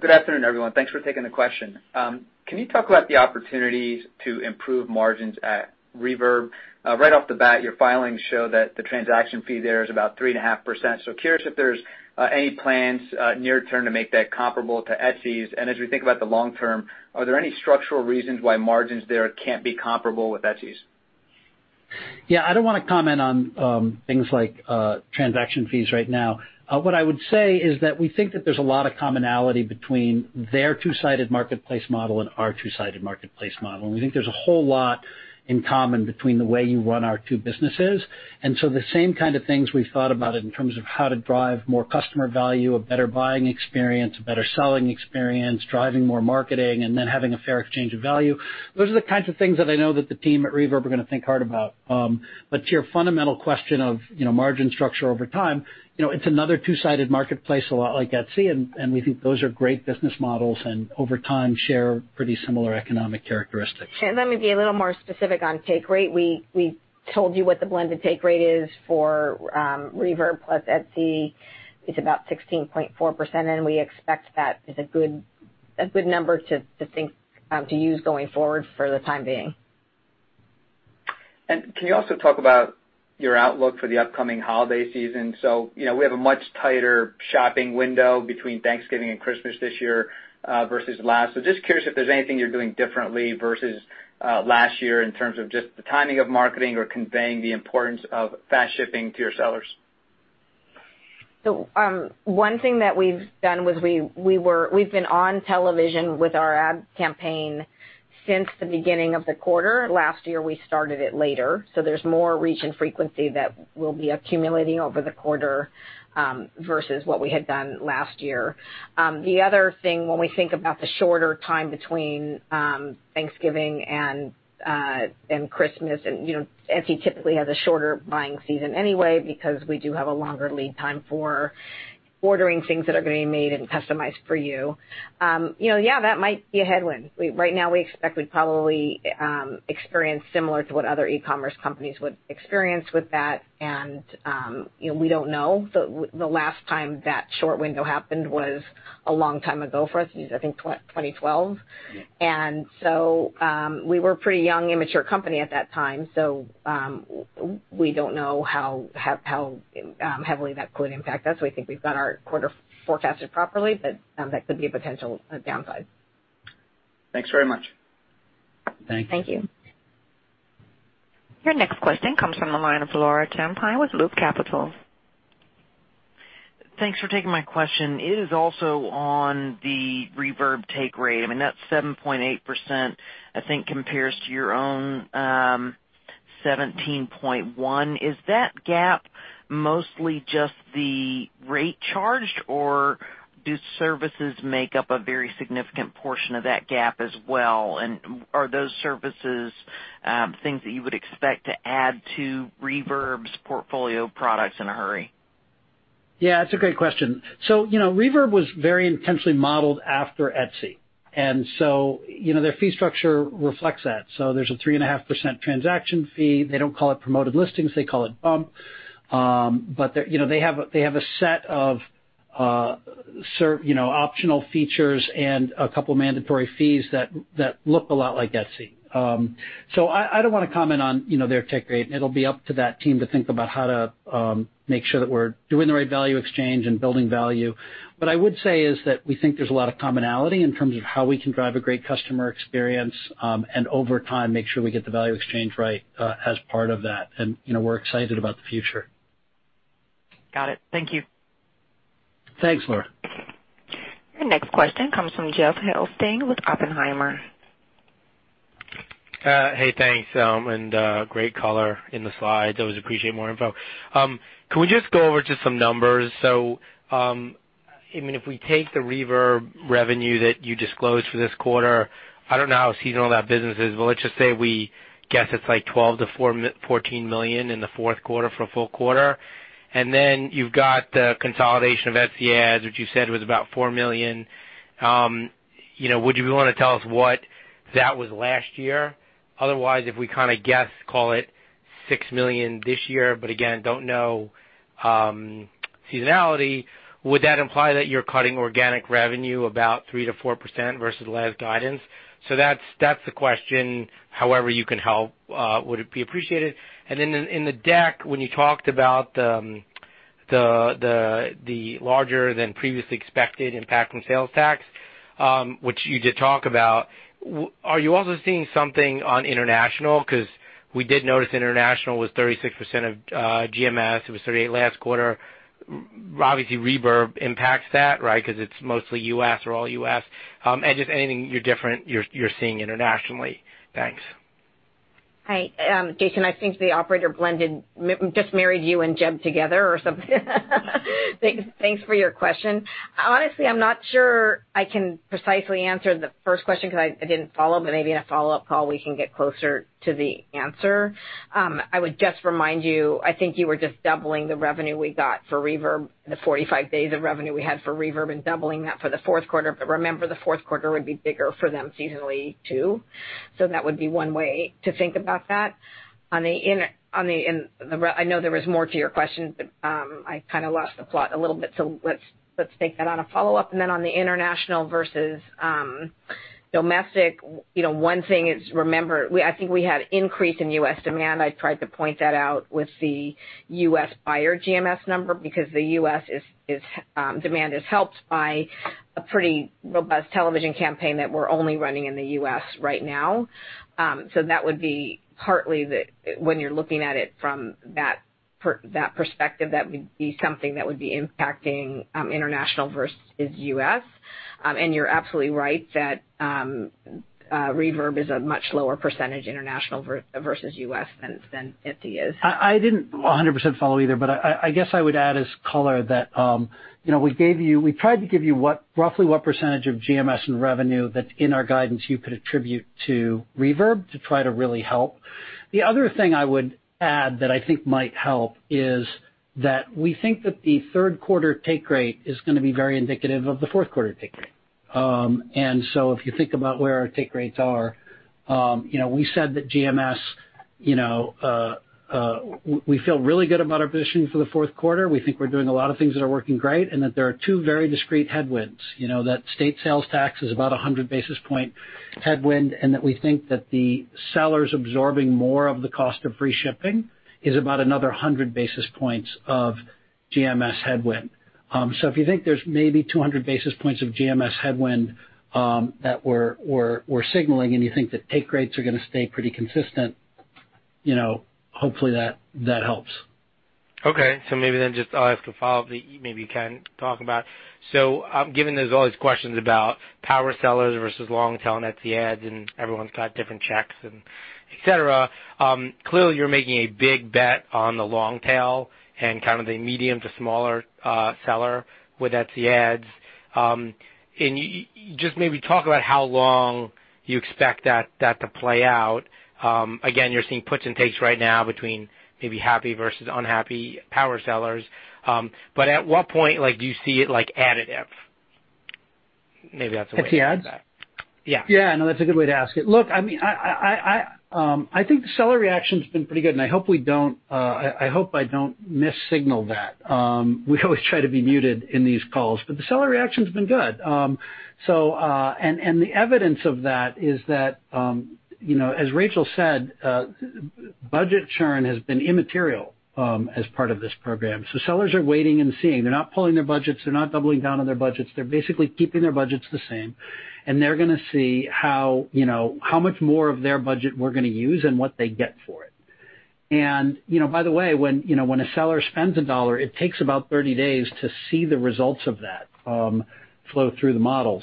Good afternoon, everyone. Thanks for taking the question. Can you talk about the opportunities to improve margins at Reverb? Right off the bat, your filings show that the transaction fee there is about 3.5%. Curious if there's any plans near-term to make that comparable to Etsy's. As we think about the long term, are there any structural reasons why margins there can't be comparable with Etsy's? Yeah, I don't want to comment on things like transaction fees right now. What I would say is that we think that there's a lot of commonality between their two-sided marketplace model and our two-sided marketplace model, and we think there's a whole lot in common between the way you run our two businesses. The same kind of things we've thought about in terms of how to drive more customer value, a better buying experience, a better selling experience, driving more marketing, and then having a fair exchange of value. Those are the kinds of things that I know that the team at Reverb are going to think hard about. To your fundamental question of margin structure over time, it's another two-sided marketplace, a lot like Etsy, and we think those are great business models and over time, share pretty similar economic characteristics. Let me be a little more specific on take rate. We told you what the blended take rate is for Reverb plus Etsy. It's about 16.4%, and we expect that is a good number to use going forward for the time being. Can you also talk about your outlook for the upcoming holiday season? We have a much tighter shopping window between Thanksgiving and Christmas this year versus last. Just curious if there's anything you're doing differently versus last year in terms of just the timing of marketing or conveying the importance of fast shipping to your sellers. One thing that we've done was we've been on television with our ad campaign since the beginning of the quarter. Last year, we started it later. There's more reach and frequency that we'll be accumulating over the quarter versus what we had done last year. The other thing, when we think about the shorter time between Thanksgiving and Christmas, and Etsy typically has a shorter buying season anyway because we do have a longer lead time for. Ordering things that are being made and customized for you. Yeah, that might be a headwind. Right now we expect we'd probably experience similar to what other e-commerce companies would experience with that. We don't know. The last time that short window happened was a long time ago for us. It was, I think, 2012. Yeah. We were a pretty young, immature company at that time, so we don't know how heavily that could impact us. We think we've got our quarter forecasted properly, but that could be a potential downside. Thanks very much. Thank you. Your next question comes from the line of Laura Champine with Loup Capital. Thanks for taking my question. It is also on the Reverb take rate. I mean, that 7.8%, I think, compares to your own 17.1%. Is that gap mostly just the rate charged, or do services make up a very significant portion of that gap as well? Are those services things that you would expect to add to Reverb's portfolio of products in a hurry? Yeah, it's a great question. Reverb was very intentionally modeled after Etsy, and so their fee structure reflects that. There's a 3.5% transaction fee. They don't call it Promoted Listings, they call it Bump. They have a set of optional features and a couple mandatory fees that look a lot like Etsy. I don't want to comment on their take rate. It'll be up to that team to think about how to make sure that we're doing the right value exchange and building value. What I would say is that we think there's a lot of commonality in terms of how we can drive a great customer experience, and over time, make sure we get the value exchange right as part of that. We're excited about the future. Got it. Thank you. Thanks, Laura. Your next question comes from Jed Kelly with Oppenheimer. Hey, thanks, great color in the slides. Always appreciate more info. Can we just go over just some numbers? If we take the Reverb revenue that you disclosed for this quarter, I don't know how seasonal that business is, but let's just say we guess it's like $12 million-$14 million in the fourth quarter for a full quarter. You've got the consolidation of Etsy Ads, which you said was about $4 million. Would you be willing to tell us what that was last year? Otherwise, if we kind of guess, call it $6 million this year, but again, don't know seasonality, would that imply that you're cutting organic revenue about 3%-4% versus the last guidance? That's the question. However, you can help, would be appreciated. Then in the deck, when you talked about the larger than previously expected impact from sales tax, which you did talk about, are you also seeing something on international? We did notice international was 36% of GMS. It was 38 last quarter. Obviously, Reverb impacts that, right? It's mostly U.S. or all U.S. Just anything different you're seeing internationally. Thanks. Hi. Jed, I think the operator blended, just married you and Jed together or something. Thanks for your question. Honestly, I'm not sure I can precisely answer the first question because I didn't follow up, but maybe in a follow-up call, we can get closer to the answer. I would just remind you, I think you were just doubling the revenue we got for Reverb, the 45 days of revenue we had for Reverb, and doubling that for the fourth quarter. Remember, the fourth quarter would be bigger for them seasonally, too. That would be one way to think about that. I know there was more to your question, but I kind of lost the plot a little bit. Let's take that on a follow-up. On the international versus domestic, one thing is, remember, I think we had increase in U.S. demand. I tried to point that out with the U.S. buyer GMS number, because the U.S. demand is helped by a pretty robust television campaign that we're only running in the U.S. right now. That would be partly when you're looking at it from that perspective, that would be something that would be impacting international versus U.S. You're absolutely right that Reverb is a much lower percentage international versus U.S. than Etsy is. I didn't 100% follow either, but I guess I would add as color that we tried to give you roughly what percentage of GMS and revenue that's in our guidance you could attribute to Reverb to try to really help. The other thing I would add that I think might help is that we think that the third quarter take rate is going to be very indicative of the fourth quarter take rate. If you think about where our take rates are, we said that GMS, we feel really good about our position for the fourth quarter. We think we're doing a lot of things that are working great, and that there are two very discrete headwinds. That state sales tax is about 100 basis point headwind, and that we think that the sellers absorbing more of the cost of free shipping is about another 100 basis points of GMS headwind. If you think there's maybe 200 basis points of GMS headwind that we're signaling, and you think that take rates are going to stay pretty consistent, hopefully that helps. Okay, maybe then just I'll ask a follow-up that maybe you can talk about. Given there's all these questions about power sellers versus long tail and Etsy Ads and everyone's got different checks, et cetera, clearly, you're making a big bet on the long tail and kind of the medium to smaller seller with Etsy Ads. Can you just maybe talk about how long you expect that to play out? Again, you're seeing puts and takes right now between maybe happy versus unhappy power sellers. At what point do you see it additive? Maybe that's the way to ask that. Etsy Ads? Yeah. Yeah, no, that's a good way to ask it. Look, I think the seller reaction's been pretty good, and I hope I don't mis-signal that. We always try to be muted in these calls, but the seller reaction's been good. The evidence of that is that, as Rachel said, budget churn has been immaterial as part of this program. Sellers are waiting and seeing. They're not pulling their budgets. They're not doubling down on their budgets. They're basically keeping their budgets the same, and they're going to see how much more of their budget we're going to use and what they get for it. By the way, when a seller spends a dollar, it takes about 30 days to see the results of that flow through the model.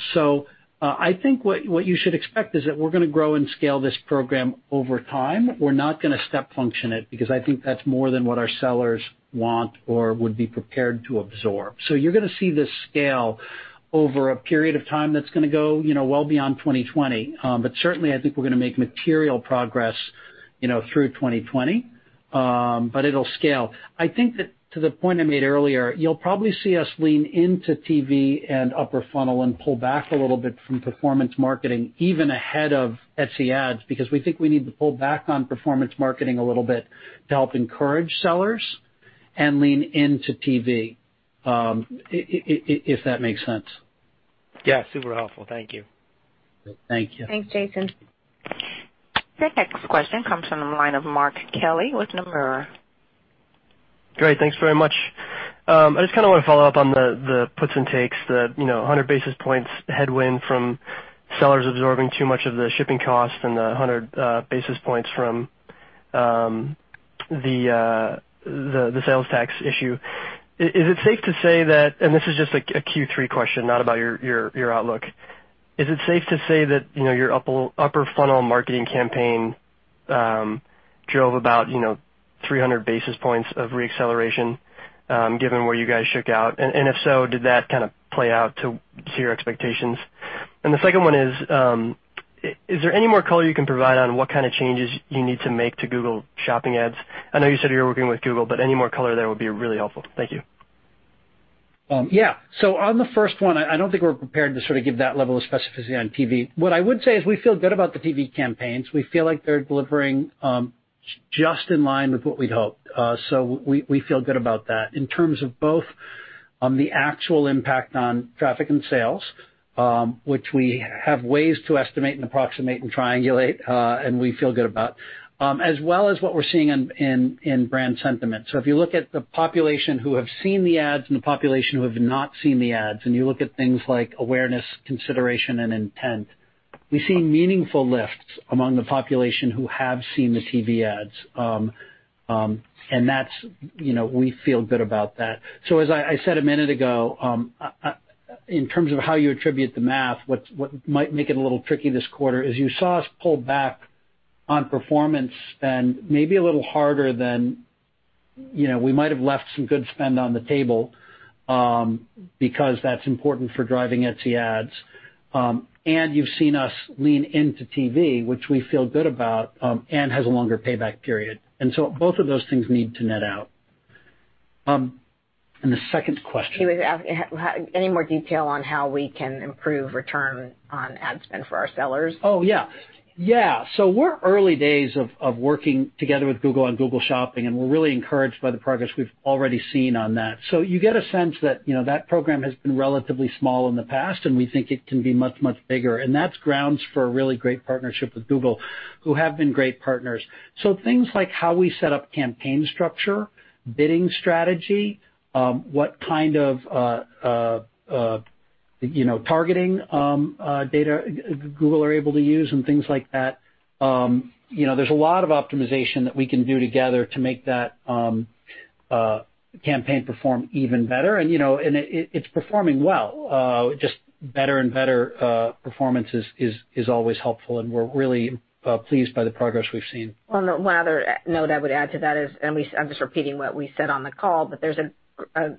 I think what you should expect is that we're going to grow and scale this program over time. We're not going to step function it, because I think that's more than what our sellers want or would be prepared to absorb. You're going to see this scale over a period of time that's going to go well beyond 2020. Certainly, I think we're going to make material progress through 2020. It'll scale. I think that to the point I made earlier, you'll probably see us lean into TV and upper funnel and pull back a little bit from performance marketing even ahead of Etsy Ads, because we think we need to pull back on performance marketing a little bit to help encourage sellers and lean into TV. If that makes sense. Yeah, super helpful. Thank you. Thank you. Thanks, Jason. The next question comes from the line of Mark Kelley with Nomura. Great. Thanks very much. I just want to follow up on the puts and takes, the 100 basis points headwind from sellers absorbing too much of the shipping cost and the 100 basis points from the sales tax issue. This is just a Q3 question, not about your outlook. Is it safe to say that your upper funnel marketing campaign drove about 300 basis points of re-acceleration, given where you guys shook out? If so, did that play out to your expectations? The second one is there any more color you can provide on what kind of changes you need to make to Google Shopping Ads? I know you said you're working with Google, but any more color there would be really helpful. Thank you. Yeah. On the first one, I don't think we're prepared to give that level of specificity on TV. What I would say is we feel good about the TV campaigns. We feel like they're delivering just in line with what we'd hoped. We feel good about that. In terms of both the actual impact on traffic and sales, which we have ways to estimate and approximate and triangulate, and we feel good about, as well as what we're seeing in brand sentiment. If you look at the population who have seen the ads and the population who have not seen the ads, and you look at things like awareness, consideration, and intent, we see meaningful lifts among the population who have seen the TV ads. We feel good about that. As I said a minute ago, in terms of how you attribute the math, what might make it a little tricky this quarter is you saw us pull back on performance spend maybe a little harder than. We might have left some good spend on the table, because that's important for driving Etsy Ads. You've seen us lean into TV, which we feel good about, and has a longer payback period. Both of those things need to net out. The second question. He was asking any more detail on how we can improve return on ad spend for our sellers. Oh, yeah. We're early days of working together with Google on Google Shopping, and we're really encouraged by the progress we've already seen on that. You get a sense that program has been relatively small in the past, and we think it can be much, much bigger. That's grounds for a really great partnership with Google, who have been great partners. Things like how we set up campaign structure, bidding strategy, what kind of targeting data Google are able to use, and things like that. There's a lot of optimization that we can do together to make that campaign perform even better. It's performing well. Just better and better performance is always helpful, and we're really pleased by the progress we've seen. One other note I would add to that is, and I'm just repeating what we said on the call, but there's a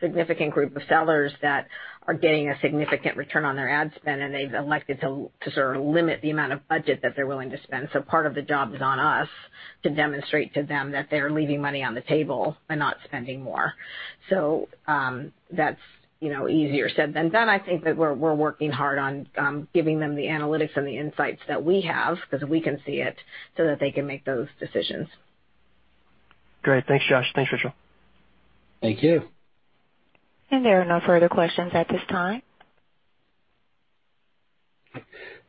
significant group of sellers that are getting a significant return on their ad spend, and they've elected to limit the amount of budget that they're willing to spend. Part of the job is on us to demonstrate to them that they are leaving money on the table by not spending more. That's easier said than done. I think that we're working hard on giving them the analytics and the insights that we have, because we can see it, so that they can make those decisions. Great. Thanks, Josh. Thanks, Rachel. Thank you. There are no further questions at this time.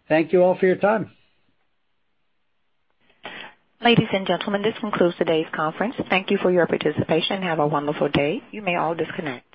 Thank you all for your time. Ladies and gentlemen, this concludes today's conference. Thank you for your participation. Have a wonderful day. You may all disconnect.